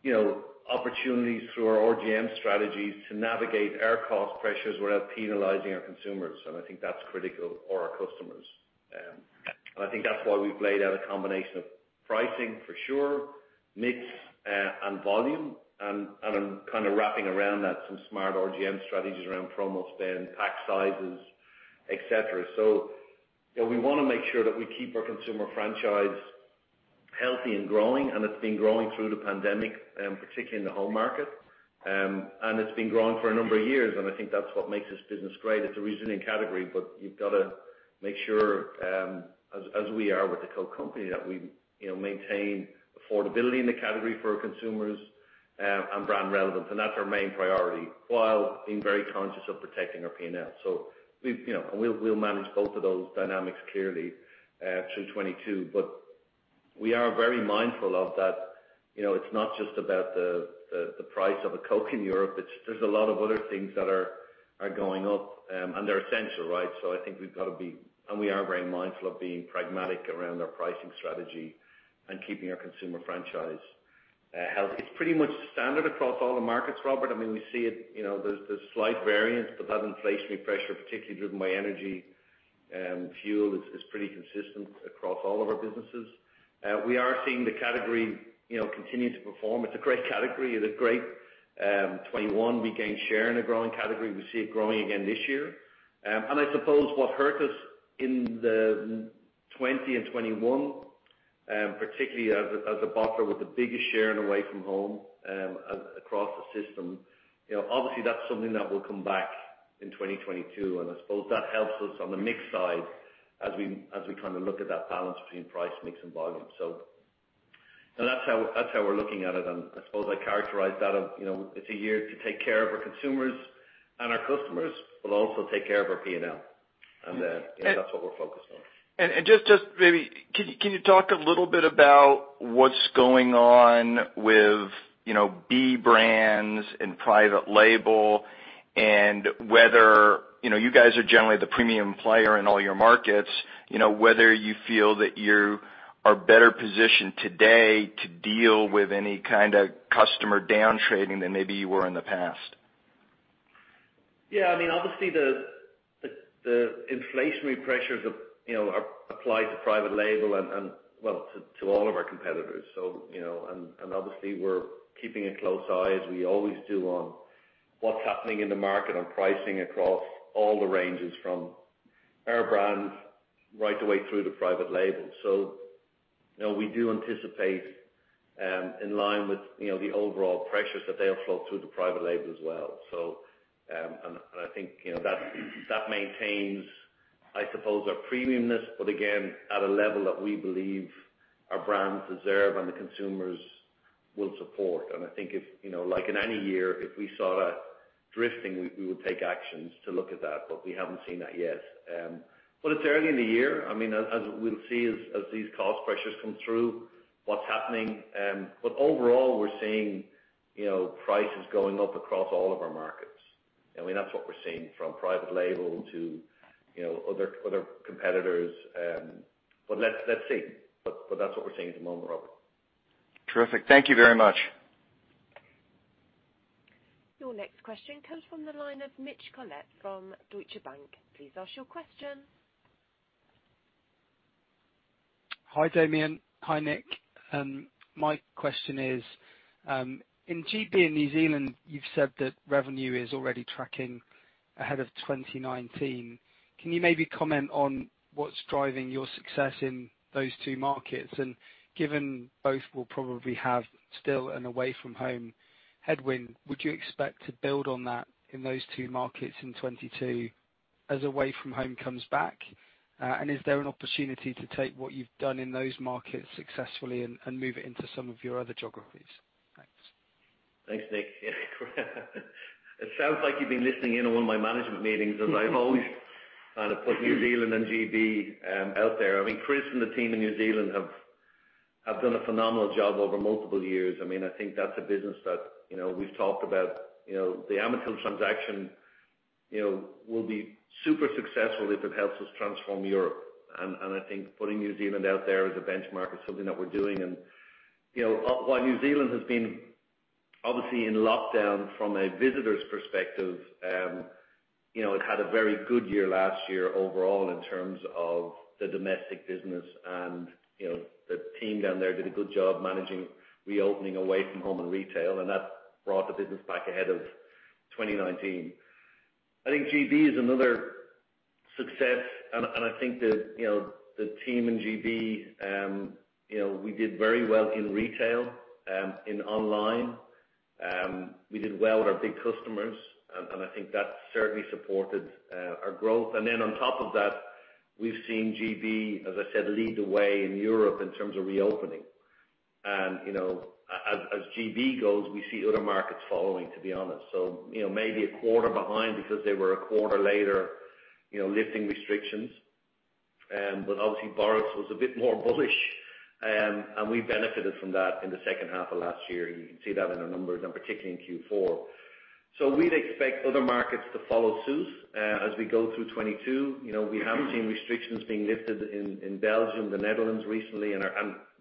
you know, opportunities through our RGM strategies to navigate our cost pressures without penalizing our consumers, and I think that's critical for our customers. And I think that's why we've laid out a combination of pricing for sure, mix, and volume, and I'm kind of wrapping around that, some smart RGM strategies around promo spend, pack sizes, et cetera. So, you know, we want to make sure that we keep our consumer franchise healthy and growing, and it's been growing through the pandemic, particularly in the home market. And it's been growing for a number of years, and I think that's what makes this business great. It's a refreshment category, but you've got to make sure, as we are with the Coke Company, that we, you know, maintain affordability in the category for our consumers, and brand relevance, and that's our main priority, while being very conscious of protecting our P&L. So we've, you know, and we'll manage both of those dynamics clearly through 2022. But we are very mindful of that. You know, it's not just about the price of a Coke in Europe. It's. There's a lot of other things that are going up, and they're essential, right? So I think we've got to be. And we are very mindful of being pragmatic around our pricing strategy and keeping our consumer franchise healthy. It's pretty much standard across all the markets, Robert. I mean, we see it, you know, there's slight variance, but that inflationary pressure, particularly driven by energy, fuel, is pretty consistent across all of our businesses. We are seeing the category, you know, continue to perform. It's a great category. It's a great 2021. We gained share in a growing category. We see it growing again this year. And I suppose what hurt us in the 2020 and 2021, particularly as a bottler with the biggest share and away from home, across the system, you know, obviously that's something that will come back in 2022, and I suppose that helps us on the mix side as we kind of look at that balance between price, mix, and volume. So, and that's how we're looking at it, and I suppose I characterize that of, you know, it's a year to take care of our consumers and our customers, but also take care of our P&L. And, you know, that's what we're focused on. Just maybe, can you talk a little bit about what's going on with, you know, B brands and private label and whether you know, you guys are generally the premium player in all your markets, you know, whether you feel that you are better positioned today to deal with any kind of customer down trading than maybe you were in the past? Yeah. I mean, obviously the inflationary pressures, you know, are applied to private label and well, to all of our competitors. So, you know, and obviously we're keeping a close eye, as we always do, on what's happening in the market, on pricing across all the ranges from our brands, right the way through to private label. So you know, we do anticipate, in line with, you know, the overall pressures that they'll flow through to private label as well. So, and I think, you know, that maintains, I suppose, our premiumness, but again, at a level that we believe our brands deserve and the consumers will support. And I think if, you know, like in any year, if we saw that drifting, we would take actions to look at that. But we haven't seen that yet. But it's early in the year. I mean, as we'll see, as these cost pressures come through, what's happening, but overall, we're seeing, you know, prices going up across all of our markets. I mean, that's what we're seeing from private label to, you know, other competitors. But let's see. But that's what we're seeing at the moment, Robert. Terrific. Thank you very much. Your next question comes from the line of Mitch Collett from Deutsche Bank. Please ask your question. Hi, Damian. Hi, Nik. My question is, in GB and New Zealand, you've said that revenue is already tracking ahead of 2019. Can you maybe comment on what's driving your success in those two markets? And given both will probably have still an away from home headwind, would you expect to build on that in those two markets in 2022 as away from home comes back? And is there an opportunity to take what you've done in those markets successfully and move it into some of your other geographies? Thanks, Mitch. It sounds like you've been listening in on one of my management meetings, as I've always kind of put New Zealand and GB out there. I mean, Chris and the team in New Zealand have done a phenomenal job over multiple years. I mean, I think that's a business that, you know, we've talked about. You know, the Amatil transaction, you know, will be super successful if it helps us transform Europe, and I think putting New Zealand out there as a benchmark is something that we're doing. And, you know, while New Zealand has been obviously in lockdown from a visitor's perspective, you know, it had a very good year last year overall in terms of the domestic business. You know, the team down there did a good job managing reopening away from home and retail, and that brought the business back ahead of 2019. I think GB is another success, and I think that you know, the team in GB, you know, we did very well in retail in online. We did well with our big customers, and I think that certainly supported our growth. And then on top of that, we've seen GB, as I said, lead the way in Europe in terms of reopening. And you know, as GB goes, we see other markets following, to be honest. So you know, maybe a quarter behind because they were a quarter later you know, lifting restrictions. But obviously, Boris was a bit more bullish, and we benefited from that in the second half of last year, and you can see that in our numbers, and particularly in Q4. So we'd expect other markets to follow suit, as we go through 2022. You know, we have seen restrictions being lifted in Belgium, the Netherlands recently, and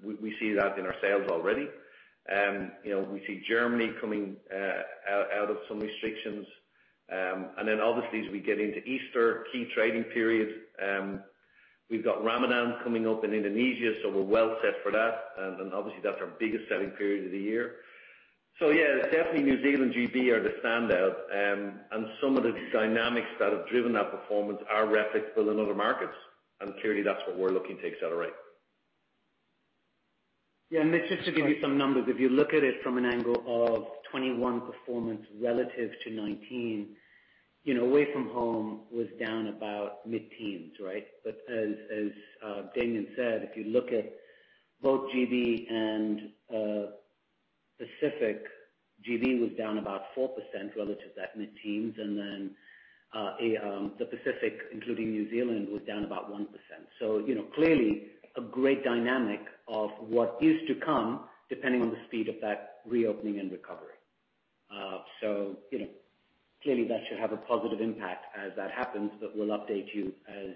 we see that in our sales already. You know, we see Germany coming out of some restrictions. And then obviously as we get into Easter, key trading period, we've got Ramadan coming up in Indonesia, so we're well set for that. And then obviously, that's our biggest selling period of the year. So yeah, definitely New Zealand and GB are the standout. And some of the dynamics that have driven that performance are replicable in other markets, and clearly, that's what we're looking to accelerate. Yeah, and just to give you some numbers, if you look at it from an angle of 2021 performance relative to nineteen, you know, away from home was down about mid-teens, right? But as Damian said, if you look at both GB and Pacific, GB was down about 4% relative to that mid-teens, and then the Pacific, including New Zealand, was down about 1%. So, you know, clearly a great dynamic of what is to come, depending on the speed of that reopening and recovery. So, you know, clearly that should have a positive impact as that happens, but we'll update you, as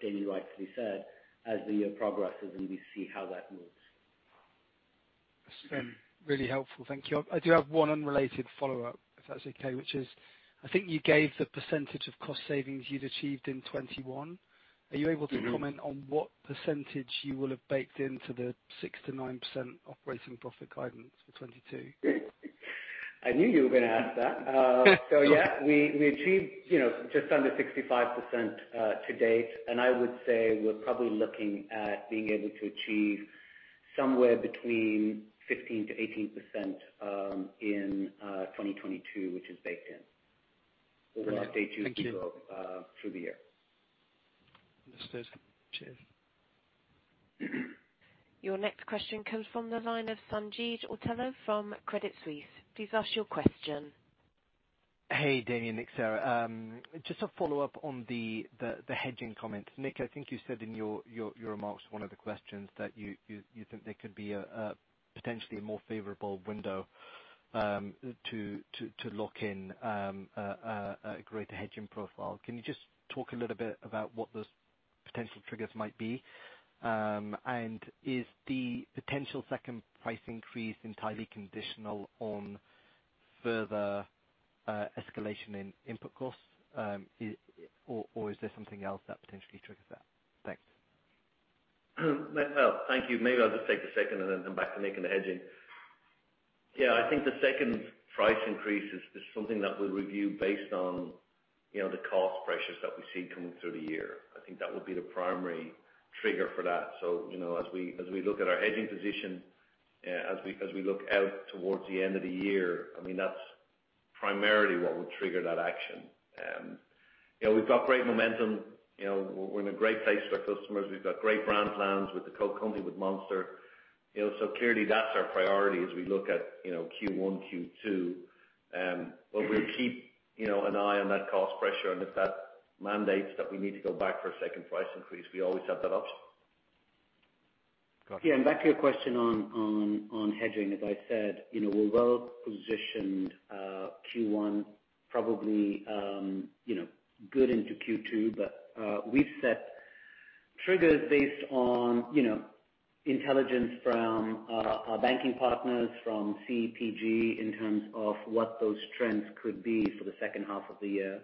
Damian rightfully said, as the year progresses, and we see how that moves. That's really helpful. Thank you. I do have one unrelated follow-up, if that's okay, which is, I think you gave the percentage of cost savings you'd achieved in 2021. Mm-hmm. Are you able to comment on what percentage you will have baked into the 6% to 9% operating profit guidance for 2022? I knew you were gonna ask that. So yeah, we, we achieved, you know, just under 65%, to date, and I would say we're probably looking at being able to achieve somewhere between 15% to 18%, in 2022, which is baked in. Thank you. But we'll update you through the year. Understood. Cheers. Your next question comes from the line of Sanjeet Aujla from Credit Suisse. Please ask your question. Hey, Damian, Nik, Sarah. Just a follow-up on the hedging comment. Nik, I think you said in your remarks, one of the questions that you think there could be a potentially more favorable window to lock in a greater hedging profile. Can you just talk a little bit about what those potential triggers might be? And is the potential second price increase entirely conditional on further escalation in input costs? Or is there something else that potentially triggers that? Thanks. Thank you. Maybe I'll just take a second and then come back to Nik on the hedging. Yeah, I think the second price increase is something that we'll review based on, you know, the cost pressures that we see coming through the year. I think that would be the primary trigger for that. So, you know, as we look at our hedging position, as we look out towards the end of the year, I mean, that's primarily what would trigger that action. You know, we've got great momentum. You know, we're in a great place with our customers. We've got great brand plans with the Coke Company, with Monster. You know, so clearly that's our priority as we look at, you know, Q1, Q2. But we'll keep, you know, an eye on that cost pressure, and if that mandates that we need to go back for a second price increase, we always have that option. Gotcha. Yeah, and back to your question on hedging. As I said, you know, we're well positioned, Q1, probably, you know, good into Q2, but we've set triggers based on, you know, intelligence from our banking partners, from CPG, in terms of what those trends could be for the second half of the year.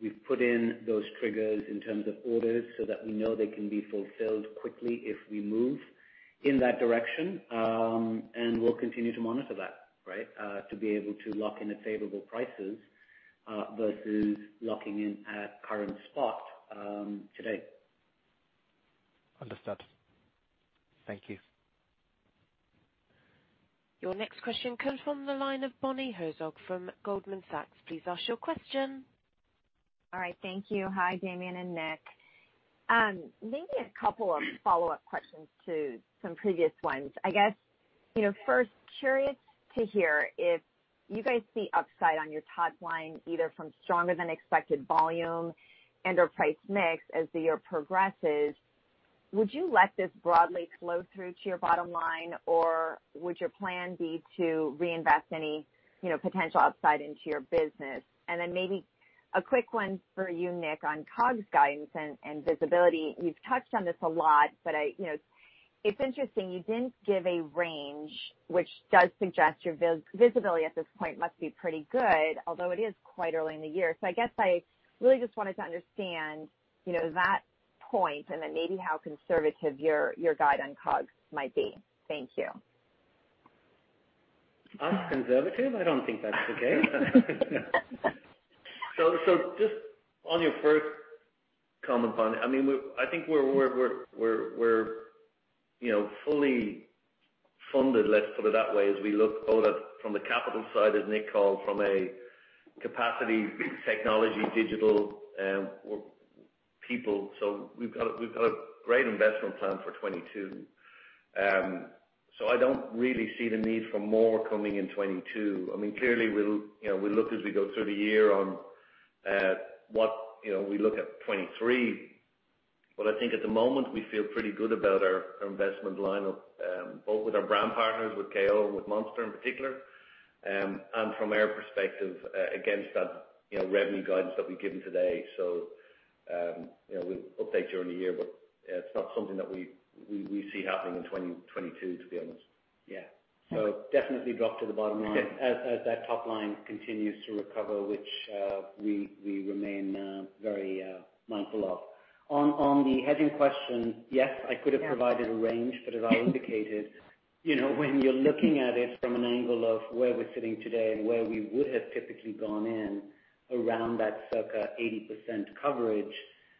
We've put in those triggers in terms of orders, so that we know they can be fulfilled quickly if we move in that direction, and we'll continue to monitor that, right, to be able to lock in at favorable prices, versus locking in at current spot, today. Understood. Thank you. Your next question comes from the line of Bonnie Herzog from Goldman Sachs. Please ask your question. All right, thank you. Hi, Damian and Nik. Maybe a couple of follow-up questions to some previous ones. I guess, you know, first, curious to hear if you guys see upside on your top line, either from stronger than expected volume and/or price mix as the year progresses, would you let this broadly flow through to your bottom line, or would your plan be to reinvest any, you know, potential upside into your business? And then maybe a quick one for you, Nik, on COGS guidance and visibility. You've touched on this a lot, but you know, it's interesting, you didn't give a range, which does suggest your visibility at this point must be pretty good, although it is quite early in the year. So I guess I really just wanted to understand, you know, that point and then maybe how conservative your guide on COGS might be? Thank you. Us, conservative? I don't think that's the case. So just on your first comment, Bonnie, I mean, we, I think we're, you know, fully funded, let's put it that way, as we look both at from the capital side, as Nik called, from a capacity, technology, digital, or people. So we've got a great investment plan for 2022. So I don't really see the need for more coming in 2022. I mean, clearly, we'll, you know, we'll look as we go through the year on what, you know, we look at 2023. But I think at the moment, we feel pretty good about our investment lineup, both with our brand partners, with KO and with Monster in particular, and from our perspective, against that, you know, revenue guidance that we've given today. You know, we'll update during the year, but it's not something that we see happening in 2022, to be honest. Yeah. So definitely drop to the bottom line Okay. As that top line continues to recover, which we remain very mindful of. On the hedging question, yes, I could have provided a range, but as I indicated, you know, when you're looking at it from an angle of where we're sitting today and where we would have typically gone in around that circa 80% coverage,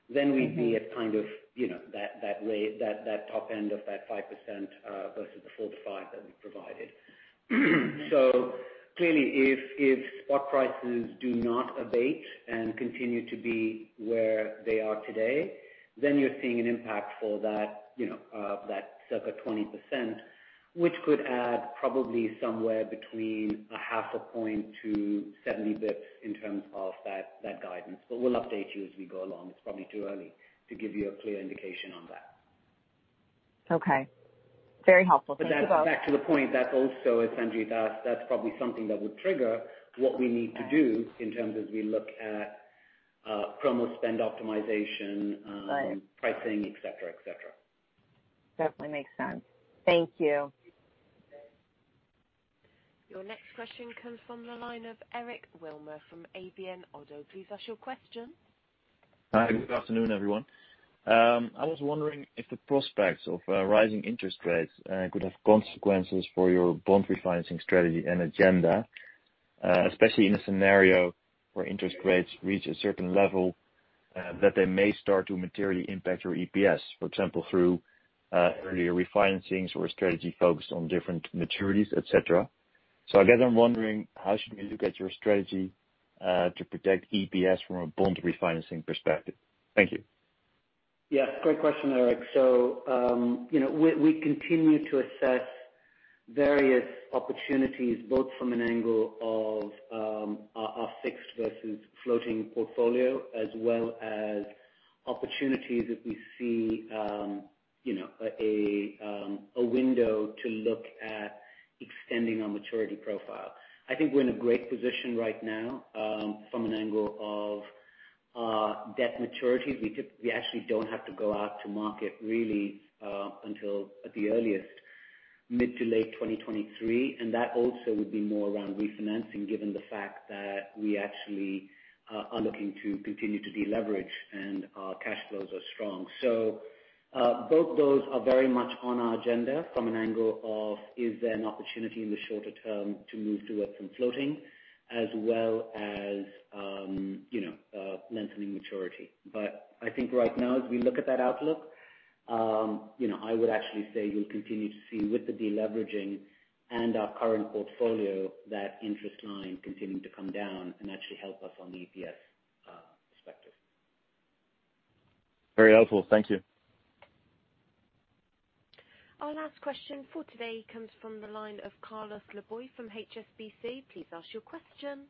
then we'd be at kind of, you know, that rate, that top end of that 5%, versus the 4% to 5% that we provided. So clearly, if spot prices do not abate and continue to be where they are today, then you're seeing an impact for that, you know, that circa 20%, which could add probably somewhere between 0.5 to 70 basis points in terms of that guidance. But we'll update you as we go along.It's probably too early to give you a clear indication on that. Okay. Very helpful. But back, back to the point, that's also, as Sanjay asked, that's probably something that would trigger what we need to do in terms as we look at promo spend optimization. Right... pricing, et cetera, et cetera. Definitely makes sense. Thank you. Your next question comes from the line of Eric Wilmer from ABN AMRO. Please ask your question. Hi, good afternoon, everyone. I was wondering if the prospects of rising interest rates could have consequences for your bond refinancing strategy and agenda, especially in a scenario where interest rates reach a certain level that they may start to materially impact your EPS, for example, through earlier refinancings or strategy focused on different maturities, et cetera. So I guess I'm wondering, how should we look at your strategy to protect EPS from a bond refinancing perspective? Thank you. Yeah, great question, Eric. So, you know, we continue to assess various opportunities, both from an angle of our fixed versus floating portfolio, as well as opportunities if we see you know, a window to look at extending our maturity profile. I think we're in a great position right now from an angle of debt maturity. We actually don't have to go out to market really until at the earliest, mid- to late 2023, and that also would be more around refinancing, given the fact that we actually are looking to continue to deleverage and our cash flows are strong. So, both those are very much on our agenda from an angle of, is there an opportunity in the shorter term to move to some floating as well as you know, lengthening maturity. But I think right now, as we look at that outlook, you know, I would actually say you'll continue to see with the deleveraging and our current portfolio, that interest line continuing to come down and actually help us on the EPS perspective. Very helpful. Thank you. Our last question for today comes from the line of Carlos Laboy from HSBC. Please ask your question.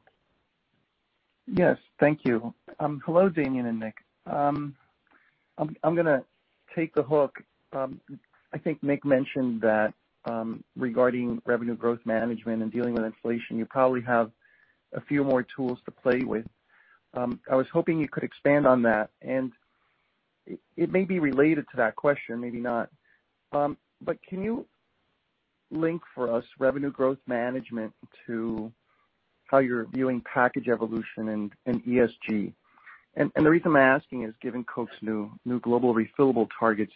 Yes, thank you. Hello, Damian and Nik. I'm gonna take the hook. I think Nik mentioned that, regarding revenue growth management and dealing with inflation, you probably have a few more tools to play with. I was hoping you could expand on that, and it may be related to that question, maybe not. But can you link for us revenue growth management to how you're viewing package evolution and ESG? And the reason I'm asking is, given Coke's new global refillable targets,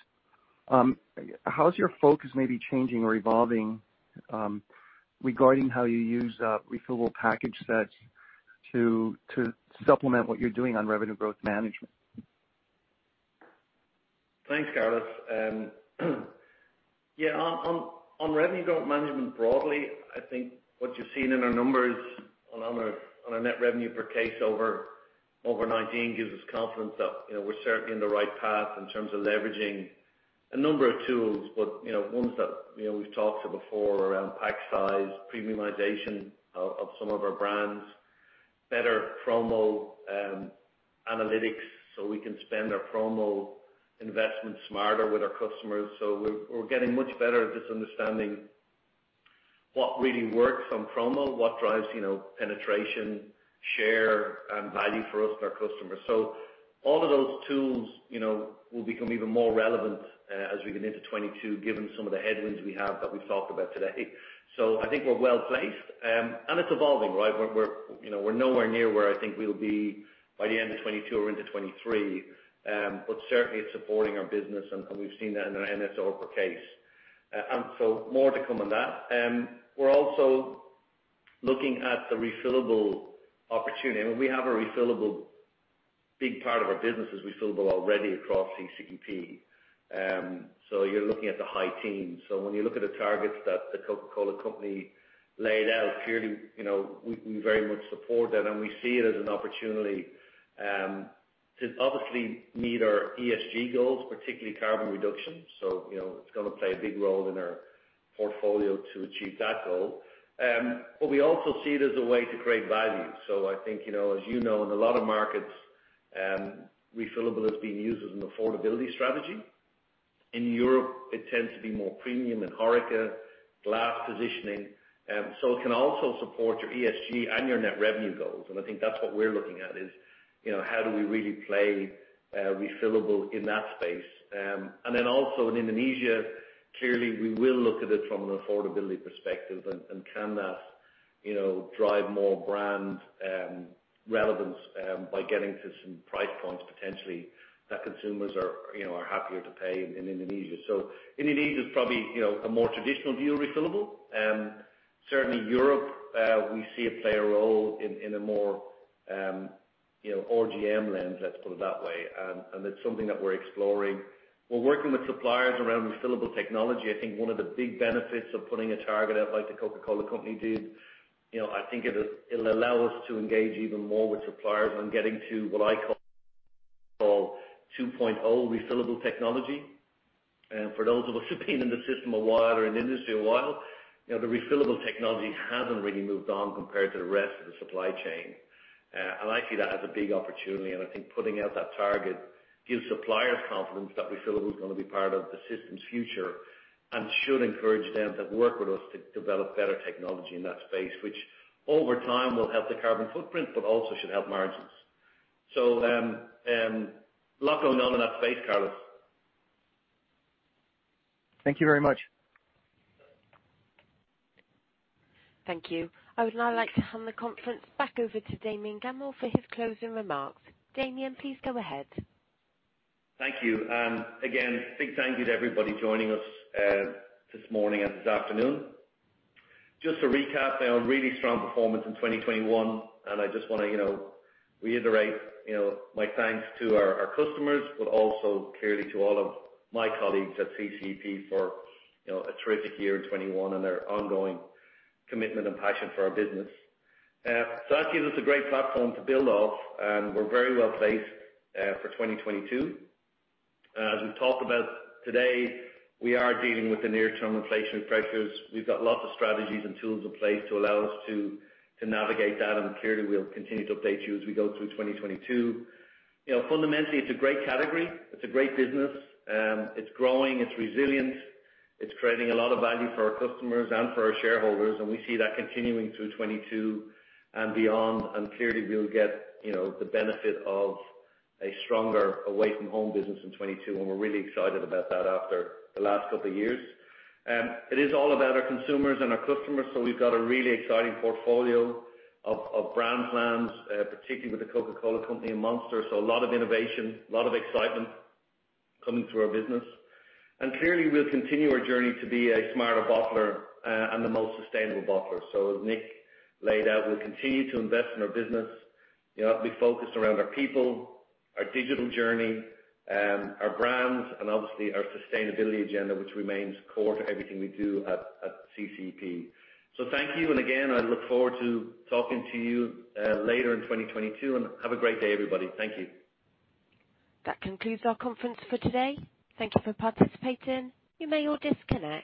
how's your focus maybe changing or evolving, regarding how you use refillable package sets to supplement what you're doing on revenue growth management? Thanks, Carlos. Yeah, on revenue growth management broadly, I think what you've seen in our numbers on our net revenue per case over 2019 gives us confidence that, you know, we're certainly in the right path in terms of leveraging a number of tools. But, you know, ones that, you know, we've talked to before around pack size, premiumization of some of our brands, better promo analytics, so we can spend our promo investment smarter with our customers. So we're getting much better at just understanding what really works on promo, what drives, you know, penetration, share, and value for us and our customers. So all of those tools, you know, will become even more relevant as we get into 2022, given some of the headwinds we have that we've talked about today. So I think we're well placed, and it's evolving, right? We're, you know, we're nowhere near where I think we'll be by the end of 2022 or into 2023. But certainly it's supporting our business, and we've seen that in our NS over case. And so more to come on that. We're also looking at the refillable opportunity. I mean, we have a refillable big part of our business is refillable already across CCEP. So you're looking at the high teens. So when you look at the targets that The Coca-Cola Company laid out, clearly, you know, we very much support that, and we see it as an opportunity, to obviously meet our ESG goals, particularly carbon reduction. So, you know, it's gonna play a big role in our portfolio to achieve that goal. But we also see it as a way to create value. So I think, you know, as you know, in a lot of markets, refillable is being used as an affordability strategy. In Europe, it tends to be more premium and HoReCa glass positioning. So it can also support your ESG and your net revenue goals, and I think that's what we're looking at, is, you know, how do we really play refillable in that space? And then also in Indonesia, clearly, we will look at it from an affordability perspective and can that, you know, drive more brand relevance by getting to some price points, potentially, that consumers are, you know, happier to pay in Indonesia. So Indonesia is probably, you know, a more traditional view of refillable. Certainly Europe, we see it play a role in a more, you know, RGM lens, let's put it that way. It's something that we're exploring. We're working with suppliers around refillable technology. I think one of the big benefits of putting a target out, like the Coca-Cola Company did, you know, I think it is. It'll allow us to engage even more with suppliers on getting to what I call 2.0 refillable technology. For those of us who've been in the system a while or in the industry a while, you know, the refillable technology hasn't really moved on compared to the rest of the supply chain. And I see that as a big opportunity, and I think putting out that target gives suppliers confidence that refillable is gonna be part of the system's future and should encourage them to work with us to develop better technology in that space, which over time will help the carbon footprint, but also should help margins. So, lot going on in that space, Carlos. Thank you very much. Thank you. I would now like to hand the conference back over to Damian Gammell for his closing remarks. Damian, please go ahead. Thank you. Again, big thank you to everybody joining us this morning and this afternoon. Just to recap, a really strong performance in 2021, and I just wanna, you know, reiterate, you know, my thanks to our, our customers, but also clearly to all of my colleagues at CCEP for, you know, a terrific year in 2021 and their ongoing commitment and passion for our business. So that gives us a great platform to build off, and we're very well placed for 2022. As we've talked about today, we are dealing with the near-term inflation pressures. We've got lots of strategies and tools in place to allow us to, to navigate that, and clearly, we'll continue to update you as we go through 2022. You know, fundamentally, it's a great category. It's a great business. It's growing. It's resilient. It's creating a lot of value for our customers and for our shareholders, and we see that continuing through 2022 and beyond. And clearly, we'll get, you know, the benefit of a stronger away-from-home business in 2022, and we're really excited about that after the last couple of years. It is all about our consumers and our customers, so we've got a really exciting portfolio of brand plans, particularly with the Coca-Cola Company and Monster. So a lot of innovation, a lot of excitement coming through our business. And clearly, we'll continue our journey to be a smarter bottler, and the most sustainable bottler. So as Nik laid out, we'll continue to invest in our business, you know, be focused around our people, our digital journey, our brands, and obviously our sustainability agenda, which remains core to everything we do at CCEP. So thank you, and again, I look forward to talking to you later in 2022, and have a great day, everybody. Thank you. That concludes our conference for today. Thank you for participating. You may all disconnect.